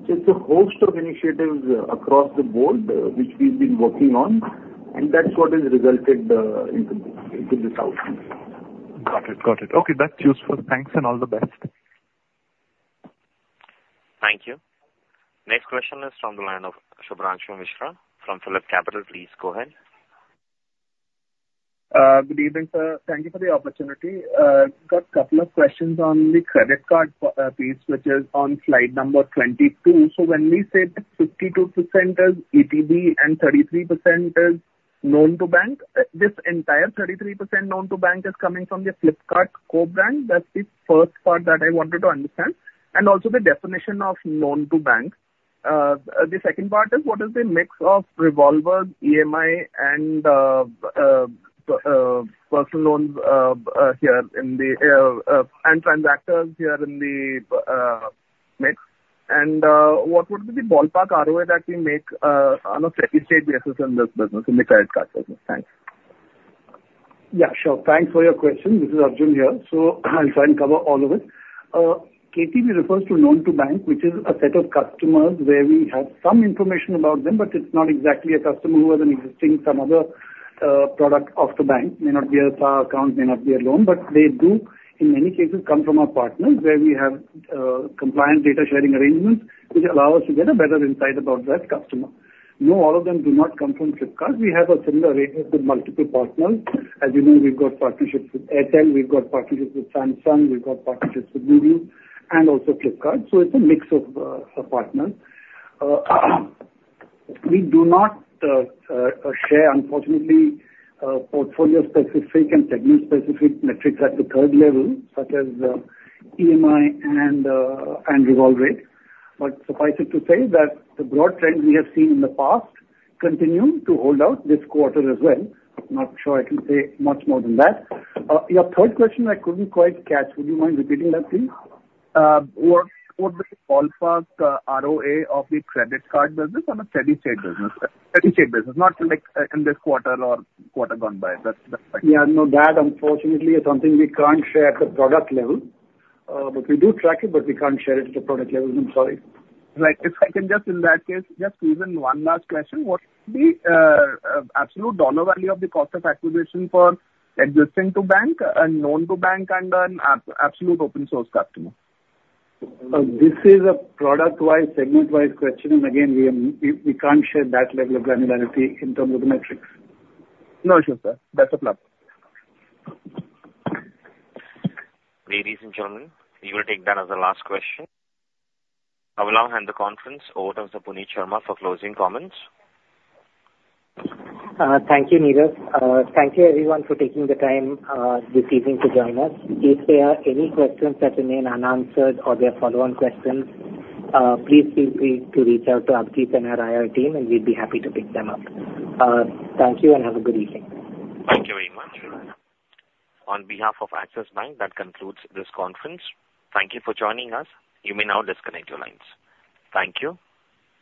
So it's a host of initiatives across the board, which we've been working on, and that's what has resulted into this, into this outcome. Got it. Got it. Okay, that's useful. Thanks, and all the best. Thank you. Next question is from the line of Shubhranshu Mishra from PhillipCapital. Please go ahead. Good evening, sir. Thank you for the opportunity. Got a couple of questions on the credit card piece, which is on slide number 22. So when we said 52% is KTB and 33% is known to bank, this entire 33% known to bank is coming from the Flipkart co-brand? That's the first part that I wanted to understand, and also the definition of known to bank. The second part is, what is the mix of revolver, EMI and personal loans, and transactors here in the mix? And what would be the ballpark ROA that we make on a steady state basis in this business, in the credit card business? Thanks. Yeah, sure. Thanks for your question. This is Arjun here, so I'll try and cover all of it. KTB refers to known to bank, which is a set of customers where we have some information about them, but it's not exactly a customer who has an existing, some other, product of the bank. May not be a current account, may not be a loan, but they do, in many cases, come from our partners, where we have, compliant data-sharing arrangements, which allow us to get a better insight about that customer. No, all of them do not come from Flipkart. We have a similar arrangement with multiple partners. As you know, we've got partnerships with Airtel, we've got partnerships with Samsung, we've got partnerships with Google and also Flipkart, so it's a mix of, of partners. We do not share, unfortunately, portfolio-specific and segment-specific metrics at the current level, such as EMI and revolve rate. But suffice it to say that the broad trends we have seen in the past continue to hold out this quarter as well. Not sure I can say much more than that. Your third question, I couldn't quite catch. Would you mind repeating that, please? What, what the ballpark ROA of the credit card business on a steady state business, steady state business, not, like, in this quarter or quarter gone by? That's, that's- Yeah, no, that unfortunately is something we can't share at the product level. But we do track it, but we can't share it at the product level. I'm sorry. Like, if I can just in that case, just even one last question: What's the absolute dollar value of the cost of acquisition for existing to-bank and known-to-bank and absolute open-source customer? This is a product-wise, segment-wise question, and again, we can't share that level of granularity in terms of the metrics. No, sure, sir. That's enough. Ladies and gentlemen, we will take that as the last question. I will now hand the conference over to Puneet Sharma for closing comments. Thank you, Neeraj. Thank you everyone for taking the time, this evening to join us. If there are any questions that remain unanswered or there are follow-on questions, please feel free to reach out to Abhijit and our IR team, and we'd be happy to pick them up. Thank you, and have a good evening. Thank you very much. On behalf of Axis Bank, that concludes this conference. Thank you for joining us. You may now disconnect your lines. Thank you.